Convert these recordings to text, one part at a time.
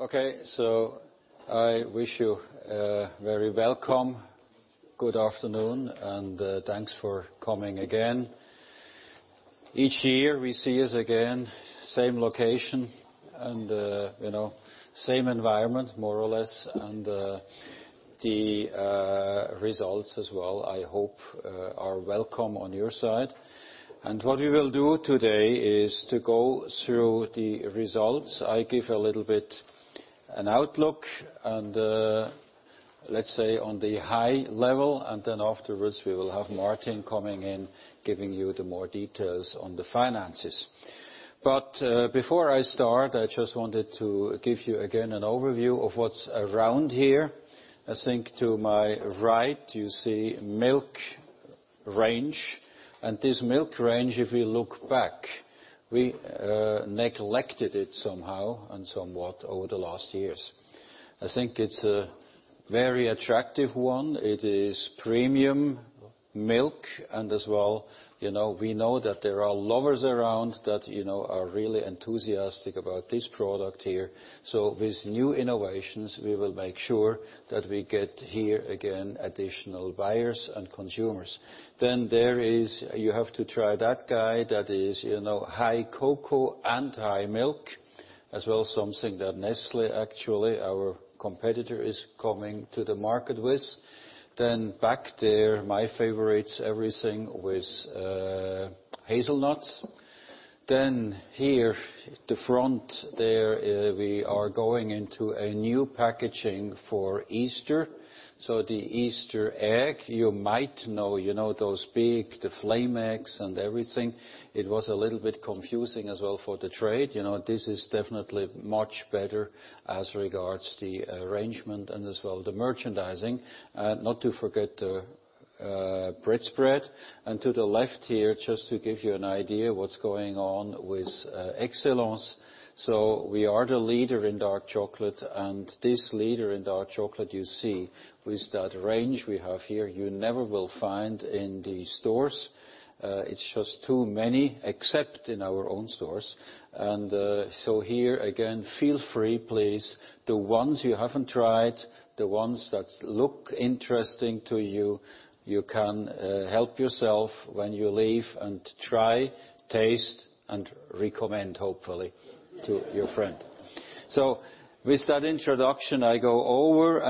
I wish you a very welcome. Good afternoon, and thanks for coming again. Each year we see us again, same location and same environment, more or less, and the results as well, I hope, are welcome on your side. What we will do today is to go through the results. I give a little bit an outlook and, let's say, on the high level. Afterwards, we will have Martin coming in, giving you the more details on the finances. Before I start, I just wanted to give you again an overview of what's around here. I think to my right you see milk range. This milk range, if you look back, we neglected it somehow and somewhat over the last years. I think it's a very attractive one. It is premium milk as well, we know that there are lovers around that are really enthusiastic about this product here. With new innovations, we will make sure that we get here, again, additional buyers and consumers. There is, you have to try that guy, that is high cocoa and high milk. As well, something that Nestlé, actually, our competitor, is coming to the market with. Back there, my favorites, everything with hazelnuts. Here, the front there, we are going into a new packaging for Easter. The Easter egg. You might know those big, the Flame Eggs and everything. It was a little bit confusing as well for the trade. This is definitely much better as regards the arrangement and as well the merchandising. Not to forget the Chocolate Spread. To the left here, just to give you an idea what's going on with EXCELLENCE. We are the leader in dark chocolate. This leader in dark chocolate you see with that range we have here, you never will find in the stores. It's just too many, except in our own stores. Here, again, feel free, please. The ones you haven't tried, the ones that look interesting to you can help yourself when you leave. Try, taste, and recommend, hopefully to your friend. With that introduction, I go over.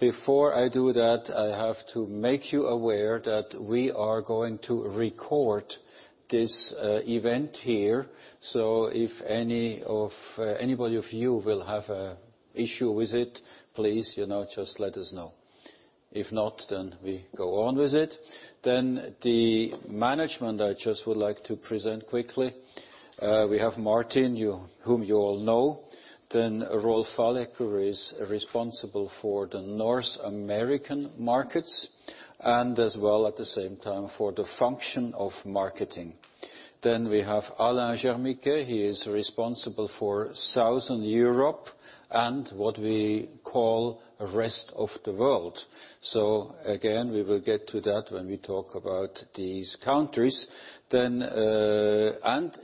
Before I do that, I have to make you aware that we are going to record this event here. If anybody of you will have an issue with it, please just let us know. If not, we go on with it. The management, I just would like to present quickly. We have Martin, whom you all know. Rolf Fallegger is responsible for the North American markets and as well, at the same time, for the function of marketing. We have Alain Germiquet. He is responsible for Southern Europe and what we call rest of the world. Again, we will get to that when we talk about these countries.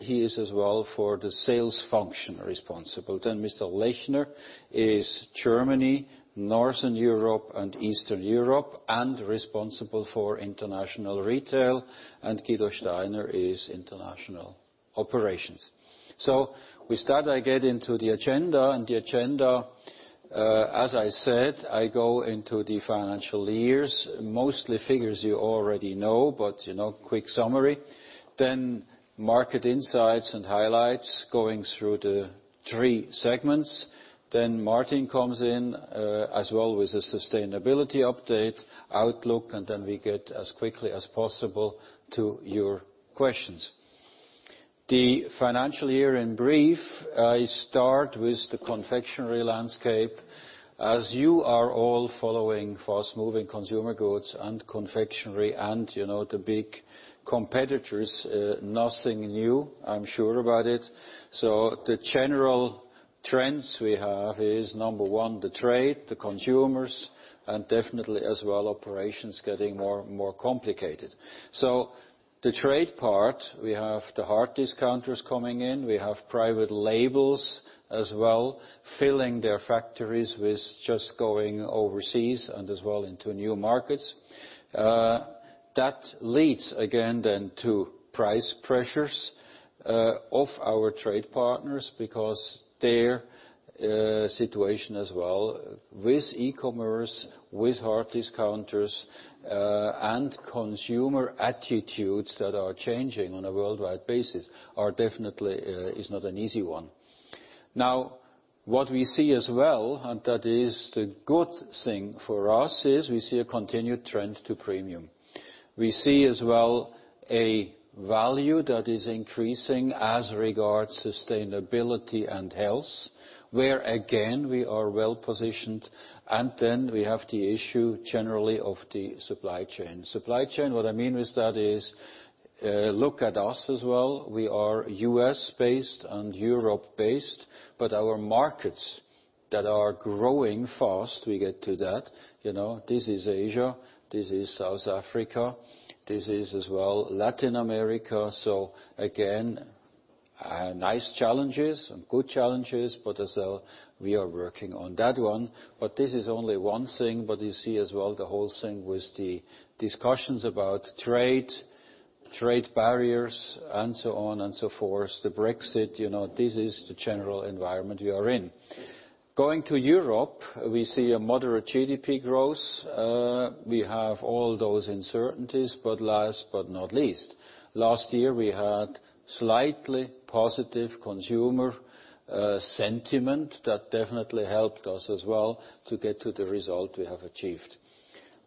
He is as well for the sales function responsible. Mr. Lechner is Germany, Northern Europe, and Eastern Europe, and responsible for international retail. Guido Steiner is international operations. We start, I get into the agenda. The agenda, as I said, I go into the financial years. Mostly figures you already know, but quick summary. Market insights and highlights, going through the three segments. Martin comes in as well with a sustainability update, outlook. We get as quickly as possible to your questions. The financial year in brief. I start with the confectionery landscape. As you are all following fast-moving consumer goods and confectionery and the big competitors, nothing new. I am sure about it. The general trends we have is, number 1, the trade, the consumers, and definitely as well operations getting more and more complicated. The trade part, we have the hard discounters coming in. We have private labels as well, filling their factories with just going overseas and as well into new markets. That leads again then to price pressures of our trade partners because their situation as well with e-commerce, with hard discounters, and consumer attitudes that are changing on a worldwide basis, definitely is not an easy one. Now what we see as well, and that is the good thing for us, we see a continued trend to premium. We see as well a value that is increasing as regards sustainability and health, where again, we are well positioned. We have the issue generally of the supply chain. Supply chain, what I mean with that is, look at us as well. We are U.S.-based and Europe-based, our markets that are growing fast. We get to that. This is Asia, this is South Africa, this is as well Latin America. Again, nice challenges and good challenges, but as well, we are working on that one. This is only one thing, you see as well, the whole thing with the discussions about trade barriers and so on and so forth. Brexit. This is the general environment we are in. Going to Europe, we see a moderate GDP growth. We have all those uncertainties, but last but not least, last year we had slightly positive consumer sentiment. That definitely helped us as well to get to the result we have achieved.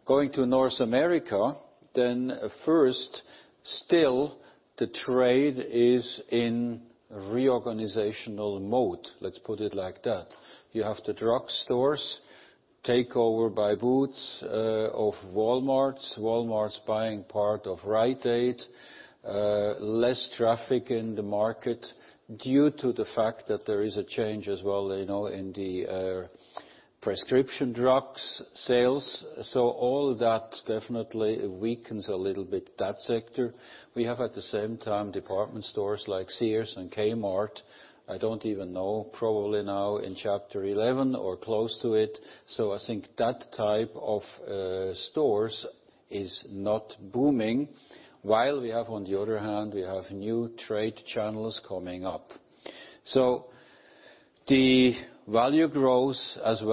Going to North America, then first, still the trade is in reorganizational mode. Let us put it like that. You have the drugstores takeover by Boots of Walmart's. Walmart's buying part of Rite Aid. Less traffic in the market due to the fact that there is a change as well, in the prescription drug sales. All that definitely weakens a little bit that sector. We have, at the same time, department stores like Sears and Kmart, I do not even know, probably now in Chapter 11 or close to it. I think that type of stores is not booming. While we have, on the other hand, we have new trade channels coming up. The volume growth as it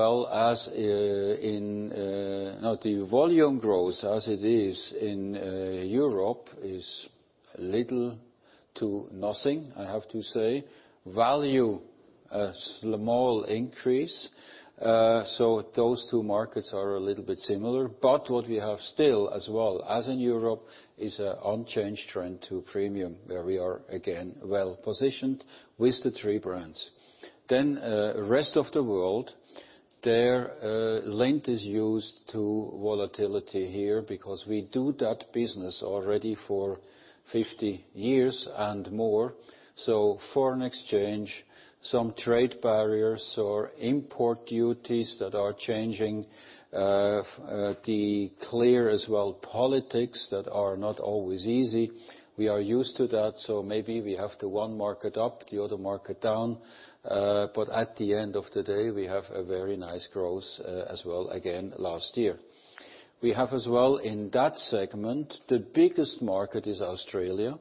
is in Europe is little to nothing, I have to say. Value, a small increase. Those two markets are a little bit similar. What we have still as well as in Europe is an unchanged trend to premium, where we are, again, well positioned with the three brands. Rest of the world, there, Lindt is used to volatility here, because we do that business already for 50 years and more. Foreign exchange, some trade barriers or import duties that are changing. The clear as well politics that are not always easy. We are used to that, so maybe we have the one market up, the other market down. At the end of the day, we have a very nice growth as well, again, last year. We have as well in that segment, the biggest market is Australia.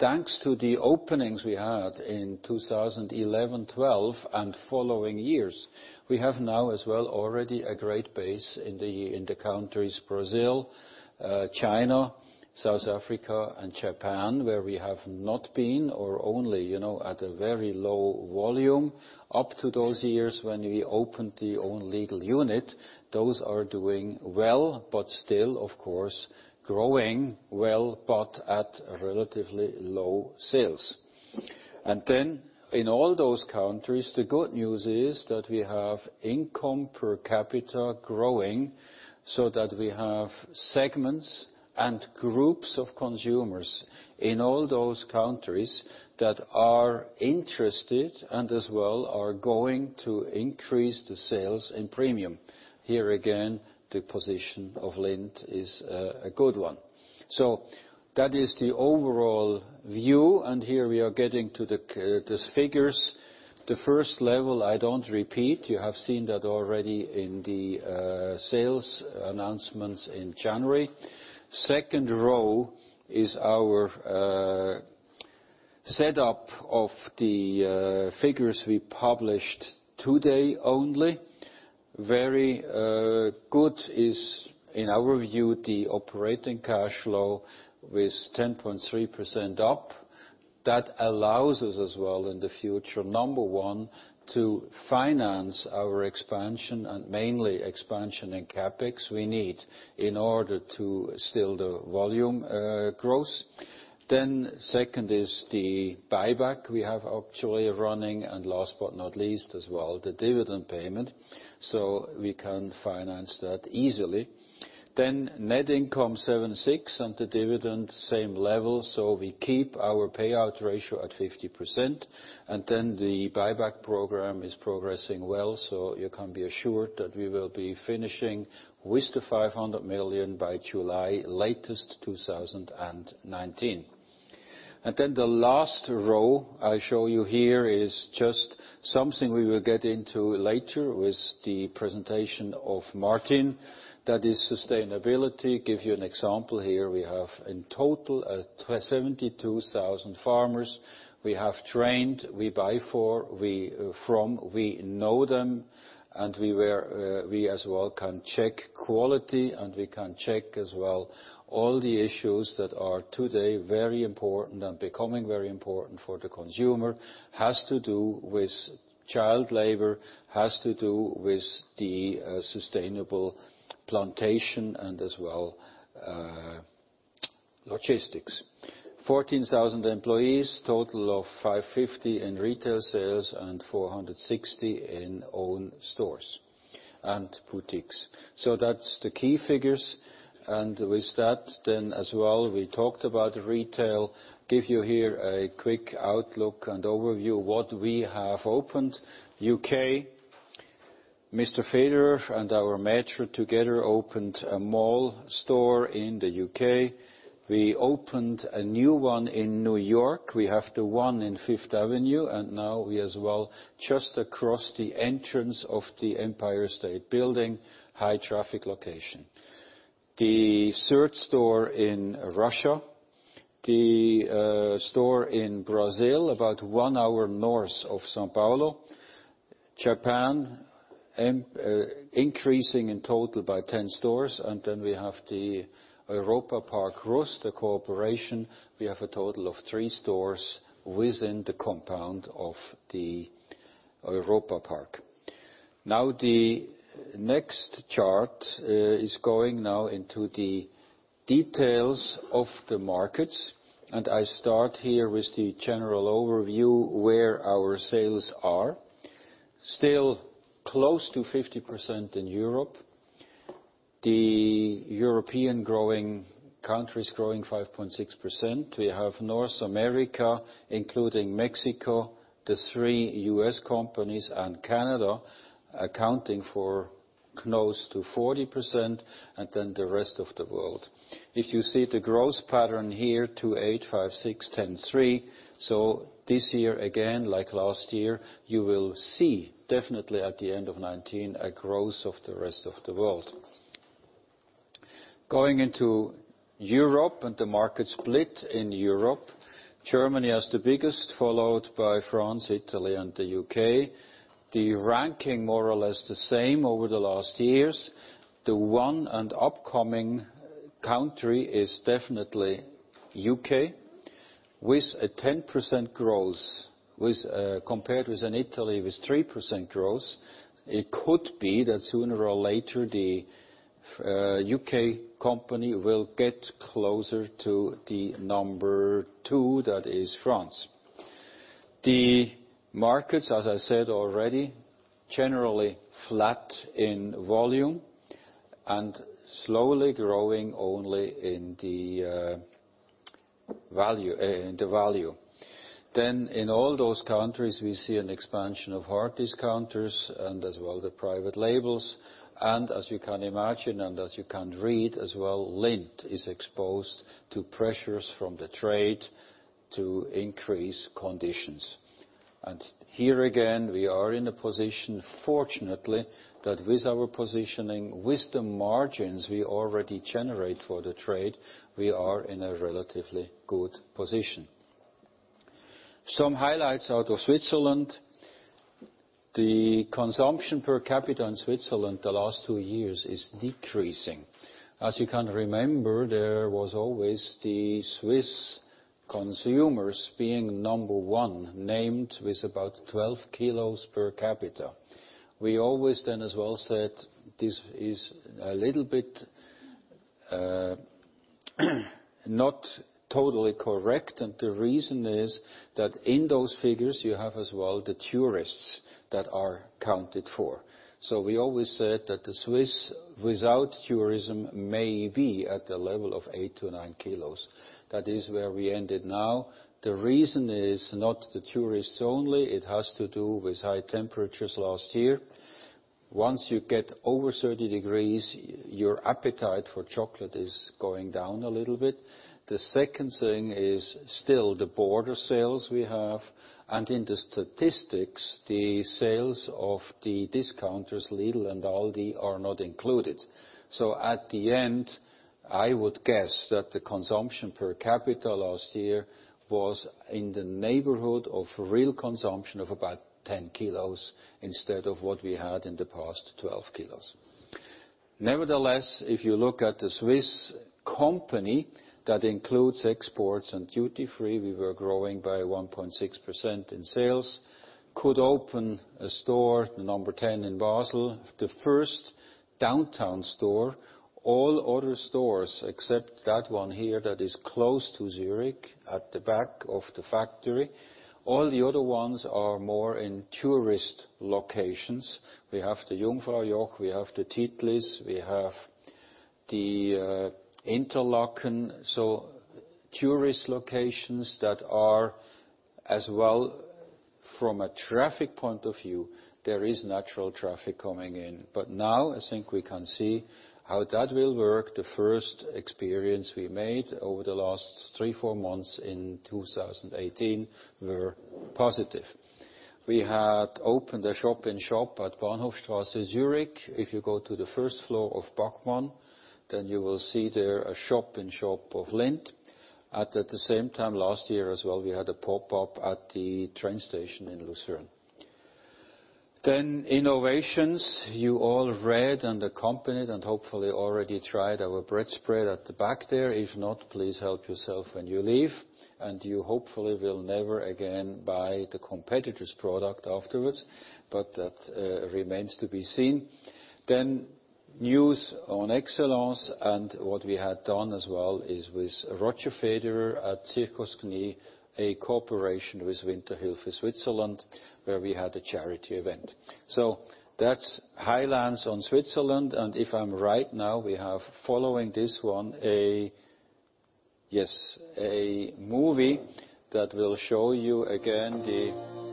Thanks to the openings we had in 2011, 2012, and following years, we have now as well already a great base in the countries Brazil, China, South Africa and Japan, where we have not been or only at a very low volume up to those years when we opened the own legal unit. Those are doing well, but still, of course, growing well, but at relatively low sales. In all those countries, the good news is that we have income per capita growing, so that we have segments and groups of consumers in all those countries that are interested and as well are going to increase the sales in premium. Here again, the position of Lindt is a good one. That is the overall view. Here we are getting to these figures. The first level, I don't repeat, you have seen that already in the sales announcements in January. Second row is our setup of the figures we published today only. Very good is, in our view, the operating cash flow with 10.3% up. That allows us as well in the future, number one, to finance our expansion and mainly expansion in CapEx we need in order to still the volume growth. Second is the buyback we have actually running. Last but not least as well, the dividend payment. We can finance that easily. Net income, 7.6, and the dividend, same level, so we keep our payout ratio at 50%. The buyback program is progressing well, so you can be assured that we will be finishing with the 500 million by July, latest 2019. The last row I show you here is just something we will get into later with the presentation of Martin. That is sustainability. Give you an example here. We have in total 72,000 farmers we have trained. We buy from, we know them, and we as well can check quality and we can check as well all the issues that are today very important and becoming very important for the consumer. Has to do with child labor, has to do with the sustainable plantation, and as well, logistics. 14,000 employees, total of 550 in retail sales and 460 in own stores and boutiques. That's the key figures. As well, we talked about retail, give you here a quick outlook and overview what we have opened. U.K., Mr. Federer and our maestro together opened a mall store in the U.K. We opened a new one in New York. We have the one in Fifth Avenue, now we as well, just across the entrance of the Empire State Building, high traffic location. The third store in Russia, the store in Brazil, about one hour north of São Paulo. Japan, increasing in total by 10 stores, we have the Europa-Park Rust, the cooperation. We have a total of three stores within the compound of the Europa-Park. The next chart is going now into the details of the markets. I start here with the general overview where our sales are. Still close to 50% in Europe. The European growing countries growing 5.6%. We have North America, including Mexico, the three U.S. companies and Canada accounting for close to 40%, the rest of the world. If you see the growth pattern here, 2, 8, 5, 6, 10, 3. This year, again, like last year, you will see definitely at the end of 2019, a growth of the rest of the world. Going into Europe and the market split in Europe, Germany has the biggest, followed by France, Italy, and the U.K. The ranking more or less the same over the last years. The one and upcoming country is definitely U.K. with a 10% growth, compared with in Italy with 3% growth. It could be that sooner or later, the U.K. company will get closer to the number two, that is France. The markets, as I said already, generally flat in volume and slowly growing only in the value. In all those countries, we see an expansion of hard discounters and as well, the private labels. As you can imagine, and as you can read as well, Lindt is exposed to pressures from the trade to increase conditions. Here again, we are in a position, fortunately, that with our positioning, with the margins we already generate for the trade, we are in a relatively good position. Some highlights out of Switzerland. The consumption per capita in Switzerland the last two years is decreasing. As you can remember, there was always the Swiss consumers being number 1, named with about 12 kilos per capita. We always then as well said, this is a little bit not totally correct, and the reason is that in those figures, you have as well the tourists that are counted for. We always said that the Swiss without tourism may be at the level of eight to nine kilos. That is where we ended now. The reason is not the tourists only. It has to do with high temperatures last year. Once you get over 30 degrees, your appetite for chocolate is going down a little bit. The second thing is still the border sales we have, and in the statistics, the sales of the discounters, Lidl and Aldi, are not included. At the end, I would guess that the consumption per capita last year was in the neighborhood of real consumption of about 10 kilos instead of what we had in the past, 12 kilos. Nevertheless, if you look at the Swiss company, that includes exports and duty-free, we were growing by 1.6% in sales. Could open a store, the number 10 in Basel, the first downtown store. All other stores, except that one here that is close to Zurich at the back of the factory, all the other ones are more in tourist locations. We have the Jungfraujoch, we have the Titlis, we have the Interlaken. Tourist locations that are as well from a traffic point of view, there is natural traffic coming in. Now, I think we can see how that will work. The first experience we made over the last three, four months in 2018 were positive. We had opened a shop in shop at Bahnhofstrasse, Zurich. If you go to the first floor of Bachmann, you will see there a shop in shop of Lindt. At the same time last year as well, we had a pop-up at the train station in Lucerne. Innovations, you all read and accompanied and hopefully already tried our Chocolate Spread at the back there. If not, please help yourself when you leave, and you hopefully will never again buy the competitor's product afterwards, but that remains to be seen. News on EXCELLENCE and what we had done as well is with Roger Federer at Circus Knie, a cooperation with Winterhilfe Schweiz, where we had a charity event. That's highlights on Switzerland, and if I'm right now, we have following this one, yes, a movie that will show you again the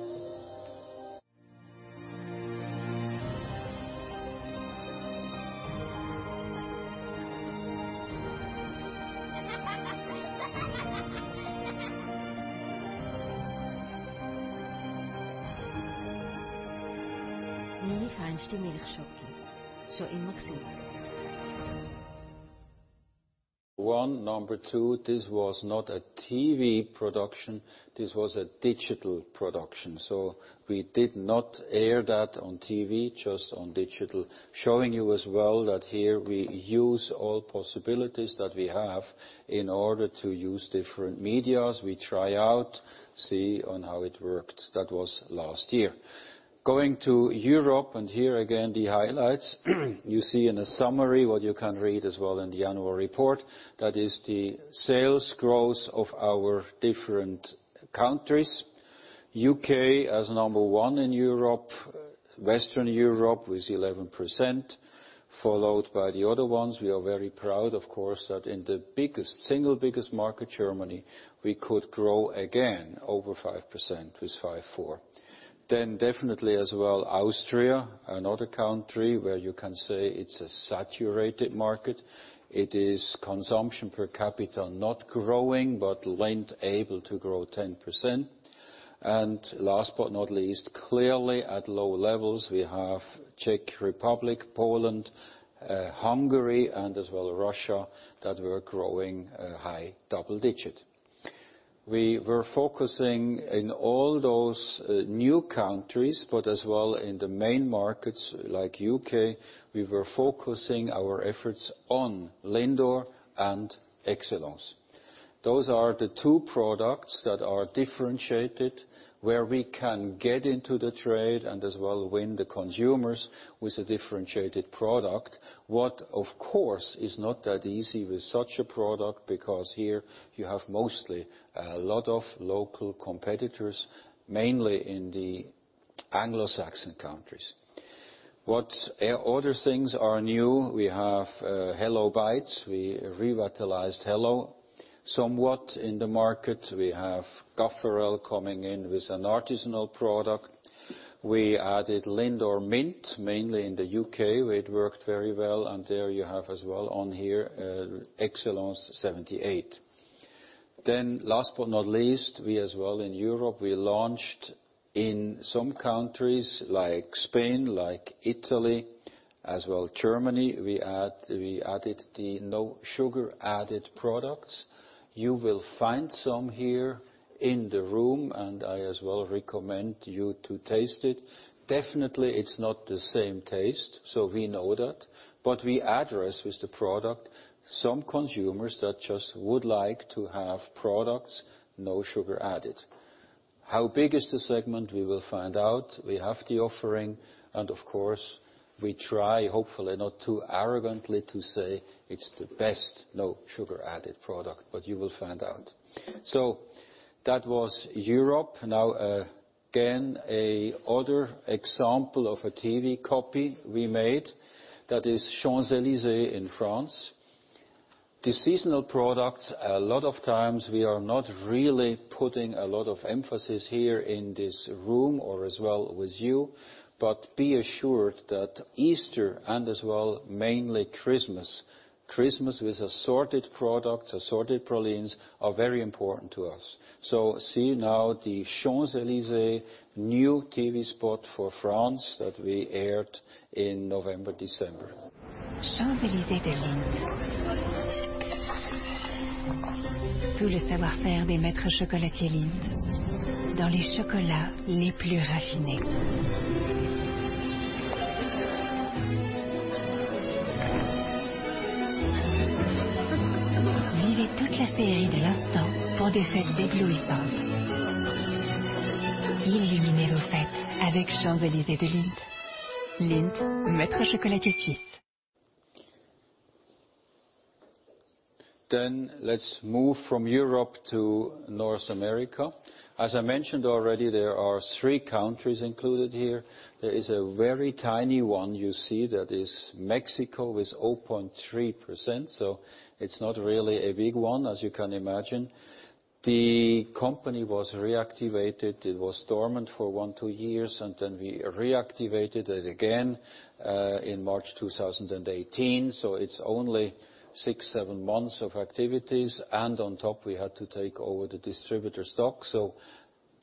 One. Number 2, this was not a TV production, this was a digital production. We did not air that on TV, just on digital, showing you as well that here we use all possibilities that we have in order to use different media. We try out, see on how it worked. That was last year. Going to Europe, and here again the highlights. You see in a summary what you can read as well in the annual report. That is the sales growth of our different countries. U.K. as number 1 in Europe. Western Europe with 11%, followed by the other ones. We are very proud, of course, that in the single biggest market, Germany, we could grow again over 5%, with 5.4%. Definitely as well, Austria, another country where you can say it's a saturated market. It is consumption per capita, not growing, but Lindt able to grow 10%. Last but not least, clearly at low levels, we have Czech Republic, Poland, Hungary, and as well Russia, that were growing high double digit. We were focusing in all those new countries, but as well in the main markets like U.K., we were focusing our efforts on LINDOR and EXCELLENCE. Those are the two products that are differentiated, where we can get into the trade and as well win the consumers with a differentiated product. What, of course, is not that easy with such a product because here you have mostly a lot of local competitors, mainly in the Anglo-Saxon countries. What other things are new? We have HELLO Bites. We revitalized HELLO somewhat in the market. We have Caffarel coming in with an artisanal product. We added LINDOR Mint, mainly in the U.K., where it worked very well, and there you have as well on here, EXCELLENCE 78. Last but not least, we as well in Europe, we launched in some countries like Spain, like Italy, as well Germany, we added the no sugar added products. You will find some here in the room, and I as well recommend you to taste it. Definitely, it's not the same taste, we know that. We address with the product some consumers that just would like to have products, no sugar added. How big is the segment? We will find out. We have the offering and of course, we try, hopefully not too arrogantly, to say it's the best no sugar added product, but you will find out. That was Europe. Now again, another example of a TV copy we made that is Champs-Élysées in France. The seasonal products, a lot of times we are not really putting a lot of emphasis here in this room or as well with you, be assured that Easter and as well mainly Christmas. Christmas with assorted products, assorted pralines are very important to us. See now the Champs-Élysées new TV spot for France that we aired in November, December. Let's move from Europe to North America. As I mentioned already, there are three countries included here. There is a very tiny one you see that is Mexico with 0.3%, so it's not really a big one as you can imagine. The company was reactivated. It was dormant for one, two years, and we reactivated it again in March 2018. It's only six, seven months of activities, and on top we had to take over the distributor stock.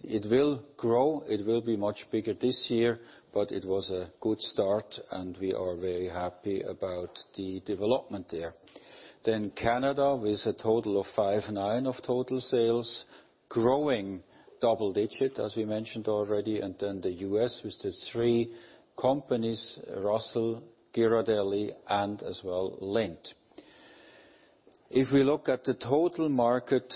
It will grow. It will be much bigger this year, but it was a good start and we are very happy about the development there. Canada with a total of 5.9% of total sales, growing double digit as we mentioned already, and the U.S. with the three companies, Russell, Ghirardelli, and Lindt. If we look at the total market,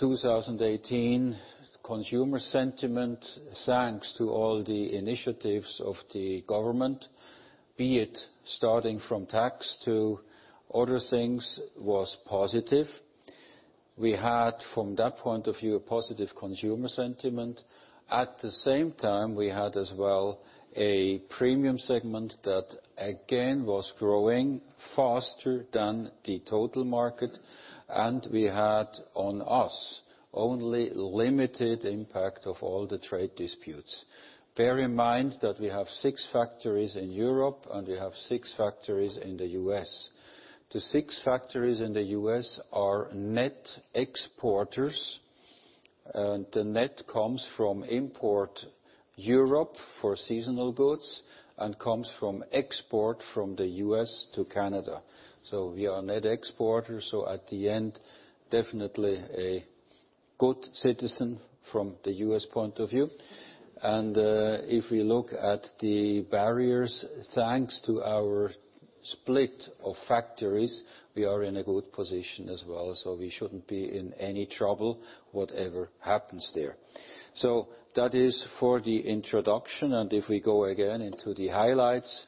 2018 consumer sentiment, thanks to all the initiatives of the government, be it starting from tax to other things, was positive. We had, from that point of view, a positive consumer sentiment. At the same time, we had, as well, a premium segment that, again, was growing faster than the total market. We had on us only limited impact of all the trade disputes. Bear in mind that we have six factories in Europe and we have six factories in the U.S. The six factories in the U.S. are net exporters. The net comes from import Europe for seasonal goods and comes from export from the U.S. to Canada. We are net exporters. At the end, definitely a good citizen from the U.S. point of view. If we look at the barriers, thanks to our split of factories, we are in a good position as well. We shouldn't be in any trouble, whatever happens there. That is for the introduction. If we go again into the highlights,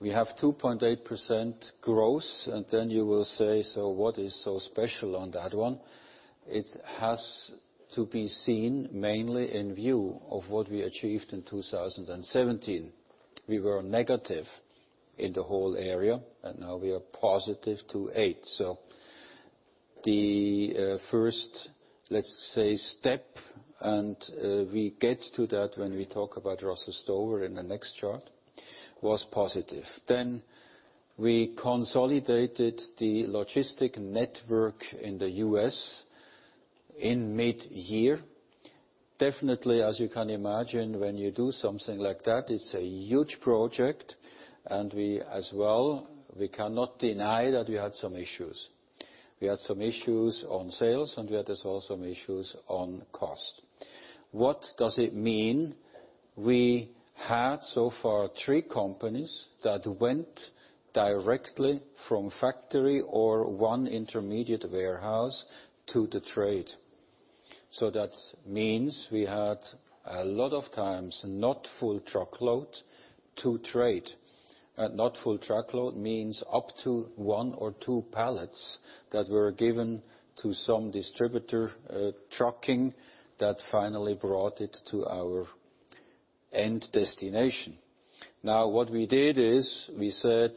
we have 2.8% growth. You will say, "What is so special on that one?" It has to be seen mainly in view of what we achieved in 2017. We were negative in the whole area, and now we are positive to 2.8%. The first, let's say, step, and we get to that when we talk about Russell Stover in the next chart, was positive. We consolidated the logistic network in the U.S. in mid-year. Definitely, as you can imagine, when you do something like that, it's a huge project. We, as well, we cannot deny that we had some issues. We had some issues on sales, and we had as well, some issues on cost. What does it mean? We had so far three companies that went directly from factory or one intermediate warehouse to the trade. That means we had, a lot of times, not full truckload to trade. Not full truckload means up to one or two pallets that were given to some distributor trucking that finally brought it to our end destination. Now what we did is we said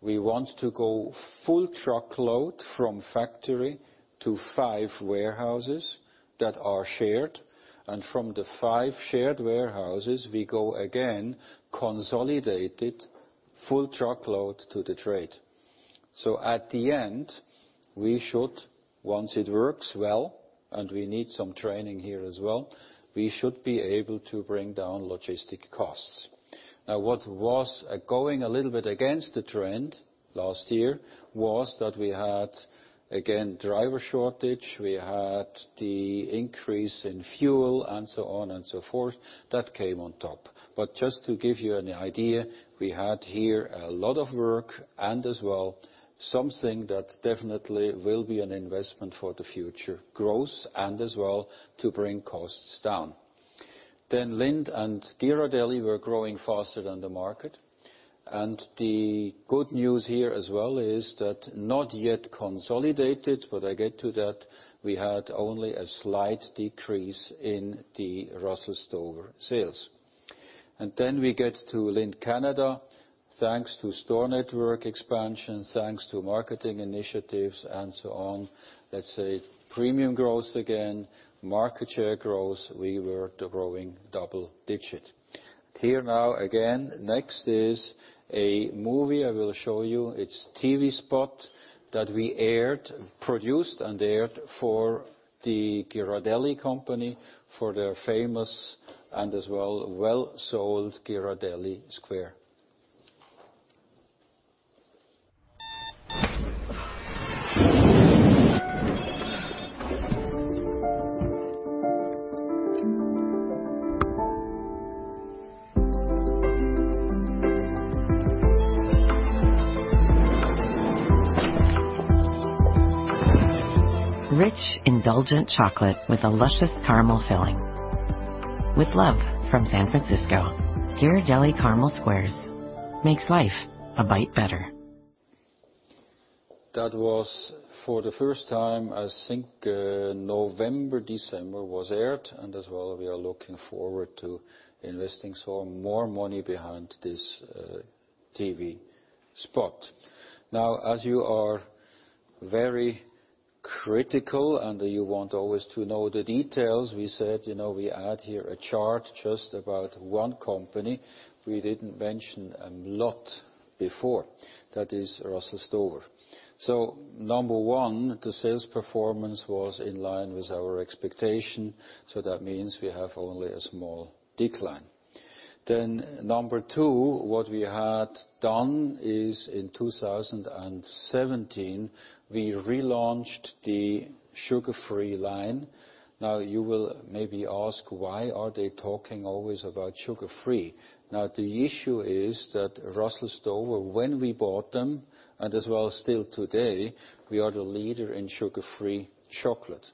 we want to go full truckload from factory to five warehouses that are shared. From the five shared warehouses, we go again consolidated full truckload to the trade. At the end, we should, once it works well, and we need some training here as well, we should be able to bring down logistic costs. What was going a little bit against the trend last year was that we had, again, driver shortage. We had the increase in fuel and so on and so forth. That came on top. Just to give you an idea, we had here a lot of work and as well, something that definitely will be an investment for the future growth and as well to bring costs down. Lindt and Ghirardelli were growing faster than the market. The good news here as well is that not yet consolidated, but I get to that, we had only a slight decrease in the Russell Stover sales. We get to Lindt Canada, thanks to store network expansion, thanks to marketing initiatives and so on. Let's say premium growth again, market share growth, we were growing double-digit. Here now again, next is a movie I will show you. It's TV spot that we produced and aired for the Ghirardelli company for their famous and as well, well-sold Ghirardelli Square. Rich, indulgent chocolate with a luscious caramel filling. With love from San Francisco. Ghirardelli Caramel Squares. Makes life a bite better. That was for the first time, I think, November, December was aired, and as well, we are looking forward to investing some more money behind this TV spot. As you are very critical and you want always to know the details, we said we add here a chart just about one company we didn't mention a lot before. That is Russell Stover. Number one, the sales performance was in line with our expectation. That means we have only a small decline. Number two, what we had done is in 2017, we relaunched the sugar-free line. You will maybe ask, why are they talking always about sugar-free? The issue is that Russell Stover, when we bought them, and as well still today, we are the leader in sugar-free chocolate.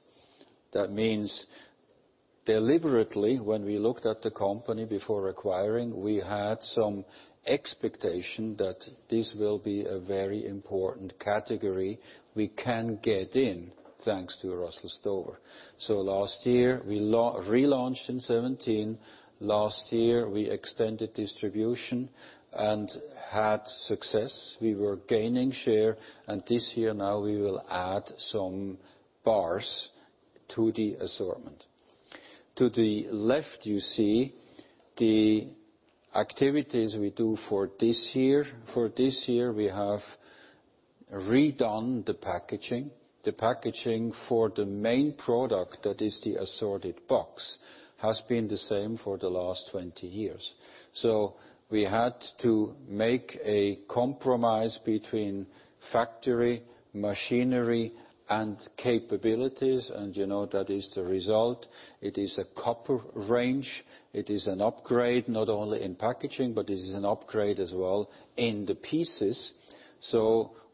Deliberately, when we looked at the company before acquiring, we had some expectation that this will be a very important category we can get in thanks to Russell Stover. Last year, we relaunched in 2017. Last year, we extended distribution and had success. We were gaining share, this year now we will add some bars to the assortment. To the left, you see the activities we do for this year. For this year, we have redone the packaging. The packaging for the main product, that is the assorted box, has been the same for the last 20 years. We had to make a compromise between factory machinery and capabilities, that is the result. It is a copper range. It is an upgrade not only in packaging, but it is an upgrade as well in the pieces.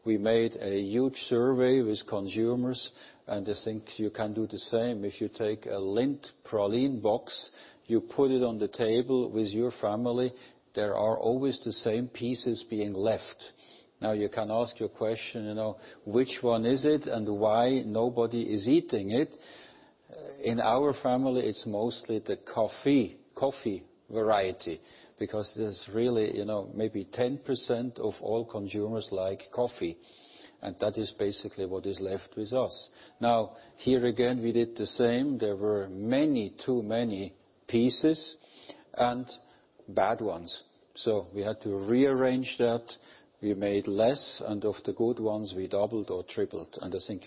We made a huge survey with consumers, and I think you can do the same. If you take a Lindt praline box, you put it on the table with your family, there are always the same pieces being left. Now you can ask your question, which one is it and why nobody is eating it? In our family, it's mostly the coffee variety, because maybe 10% of all consumers like coffee, that is basically what is left with us. Here again, we did the same. There were too many pieces and bad ones. We had to rearrange that. We made less, and of the good ones, we doubled or tripled. I think,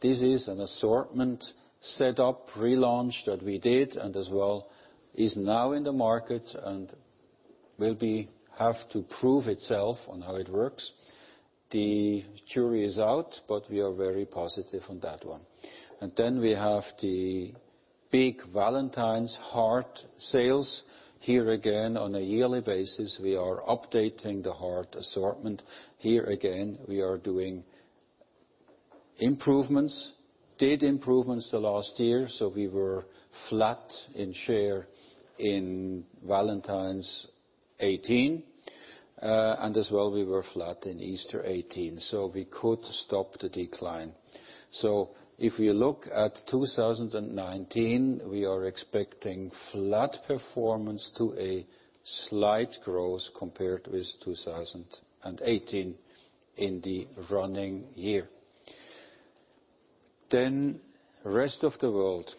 this is an assortment set up relaunch that we did, as well is now in the market and will have to prove itself on how it works. The jury is out, we are very positive on that one. We have the big Valentine's heart sales. Here again, on a yearly basis, we are updating the heart assortment. Here again, we are doing improvements. Did improvements the last year. We were flat in share in Valentine's 2018. As well, we were flat in Easter 2018. We could stop the decline. If we look at 2019, we are expecting flat performance to a slight growth compared with 2018 in the running year. Rest of the World.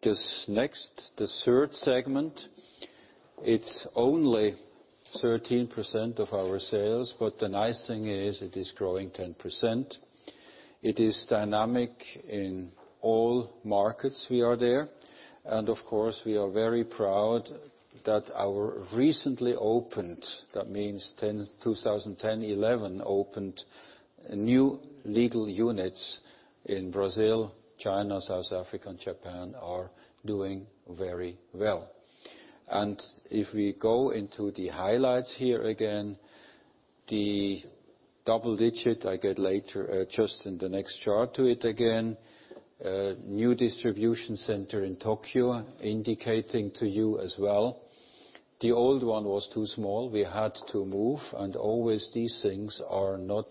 This next, the third segment, it's only 13% of our sales, but the nice thing is it is growing 10%. It is dynamic in all markets we are there. Of course, we are very proud that our recently opened, that means 2010, 2011, opened new legal units in Brazil, China, South Africa, and Japan are doing very well. If we go into the highlights here again, the double-digit I get later just in the next chart to it again. New distribution center in Tokyo, indicating to you as well the old one was too small. We had to move, always these things are not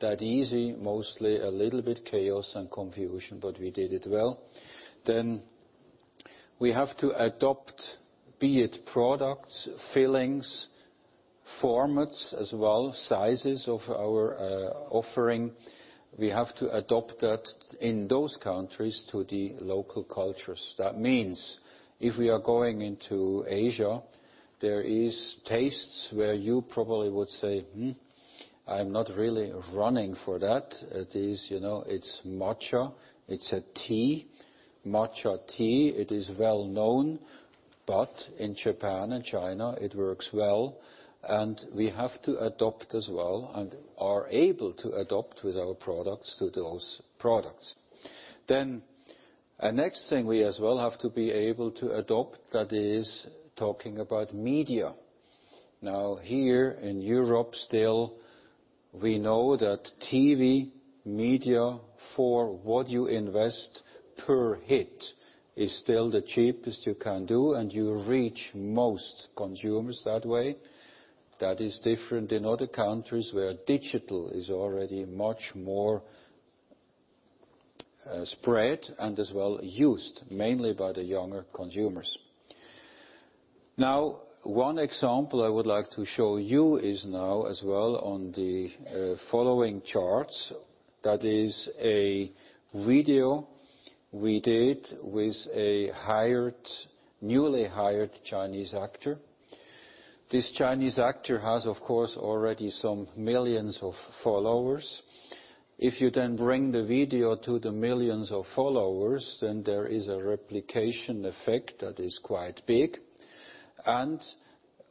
that easy, mostly a little bit chaos and confusion, we did it well. We have to adopt, be it products, fillings, formats as well, sizes of our offering. We have to adopt that in those countries to the local cultures. That means if we are going into Asia, there is tastes where you probably would say, "Hmm, I'm not really running for that." It's matcha. It's a tea, matcha tea. It is well known, but in Japan and China, it works well, and we have to adopt as well and are able to adopt with our products to those products. A next thing we as well have to be able to adopt, that is talking about media. Here in Europe still, we know that TV media for what you invest per hit is still the cheapest you can do, and you reach most consumers that way. That is different in other countries where digital is already much more spread and as well used, mainly by the younger consumers. One example I would like to show you is now as well on the following charts. That is a video we did with a newly hired Chinese actor. This Chinese actor has, of course, already some millions of followers. If you then bring the video to the millions of followers, then there is a replication effect that is quite big.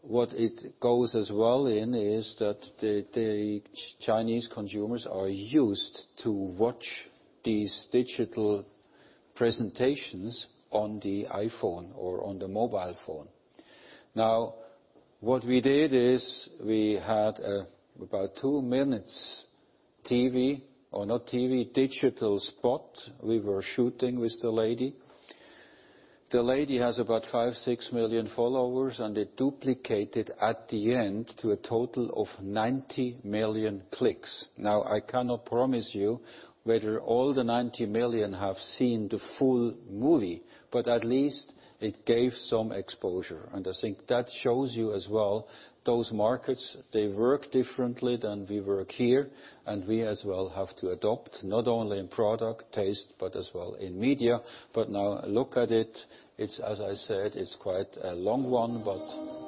What it goes as well in is that the Chinese consumers are used to watch these digital presentations on the iPhone or on the mobile phone. What we did is we had about two minutes TV-- or not TV, digital spot we were shooting with the lady. The lady has about five, six million followers, and it duplicated at the end to a total of 90 million clicks. I cannot promise you whether all the 90 million have seen the full movie, but at least it gave some exposure. I think that shows you as well, those markets, they work differently than we work here. We as well have to adopt not only in product taste, but as well in media. Look at it. It's, as I said, it's quite a long one, but.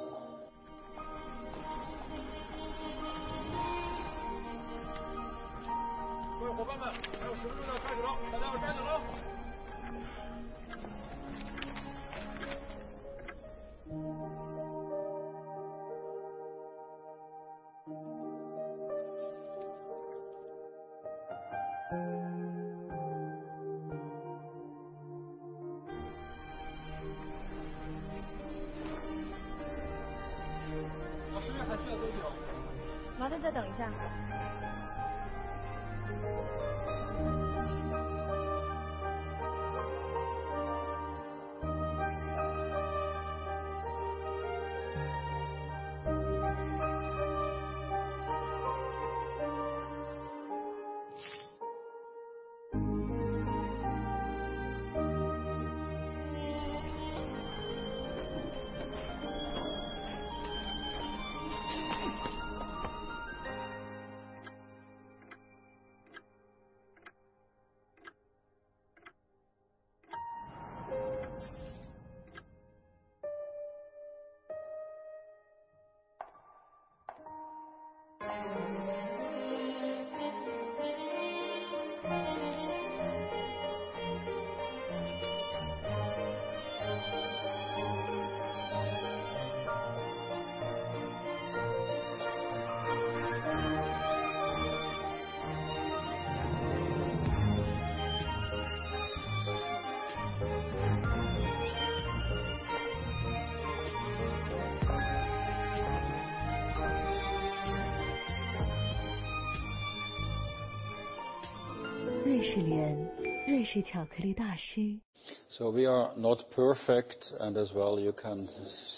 We are not perfect and as well you can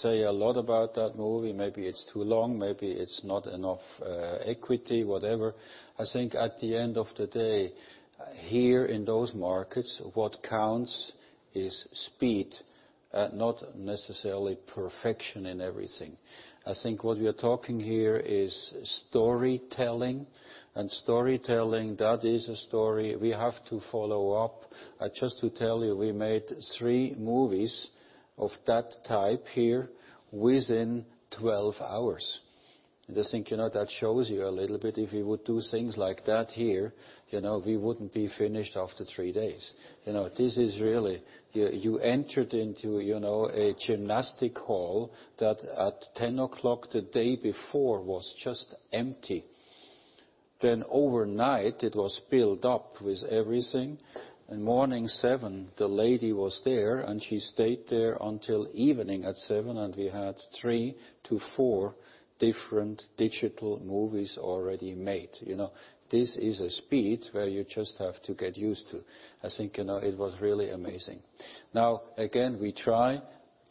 say a lot about that movie. Maybe it's too long, maybe it's not enough equity, whatever. I think at the end of the day, here in those markets, what counts is speed, not necessarily perfection in everything. I think what we are talking here is storytelling and storytelling, that is a story we have to follow up. Just to tell you, we made three movies of that type here within 12 hours. I think that shows you a little bit if we would do things like that here, we wouldn't be finished after three days. This is really, you entered into a gymnastic hall that at 10:00 P.M. the day before was just empty. Overnight it was filled up with everything. In morning, 7:00 A.M., the lady was there, and she stayed there until evening at 7:00 P.M., and we had three to four different digital movies already made. This is a speed where you just have to get used to. I think it was really amazing. Again, we try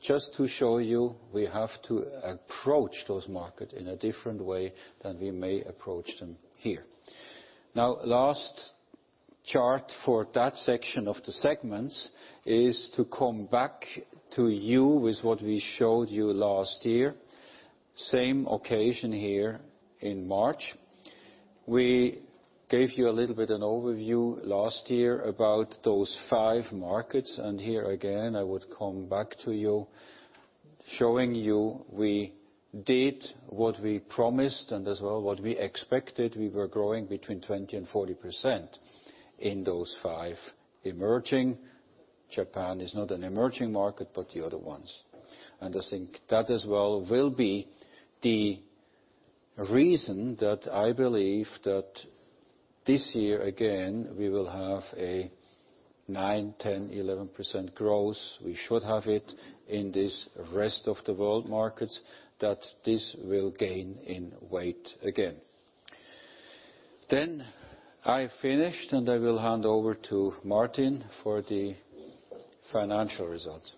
just to show you, we have to approach those markets in a different way than we may approach them here. Last chart for that section of the segments is to come back to you with what we showed you last year. Same occasion here in March. We gave you a little bit an overview last year about those five markets, here again, I would come back to you, showing you we did what we promised and as well what we expected. We were growing between 20% and 40% in those five emerging. Japan is not an emerging market, but the other ones. I think that as well will be the reason that I believe that this year again, we will have a 9%, 10%, 11% growth. We should have it in this rest-of-the-world markets that this will gain in weight again. I finished, and I will hand over to Martin for the financial results.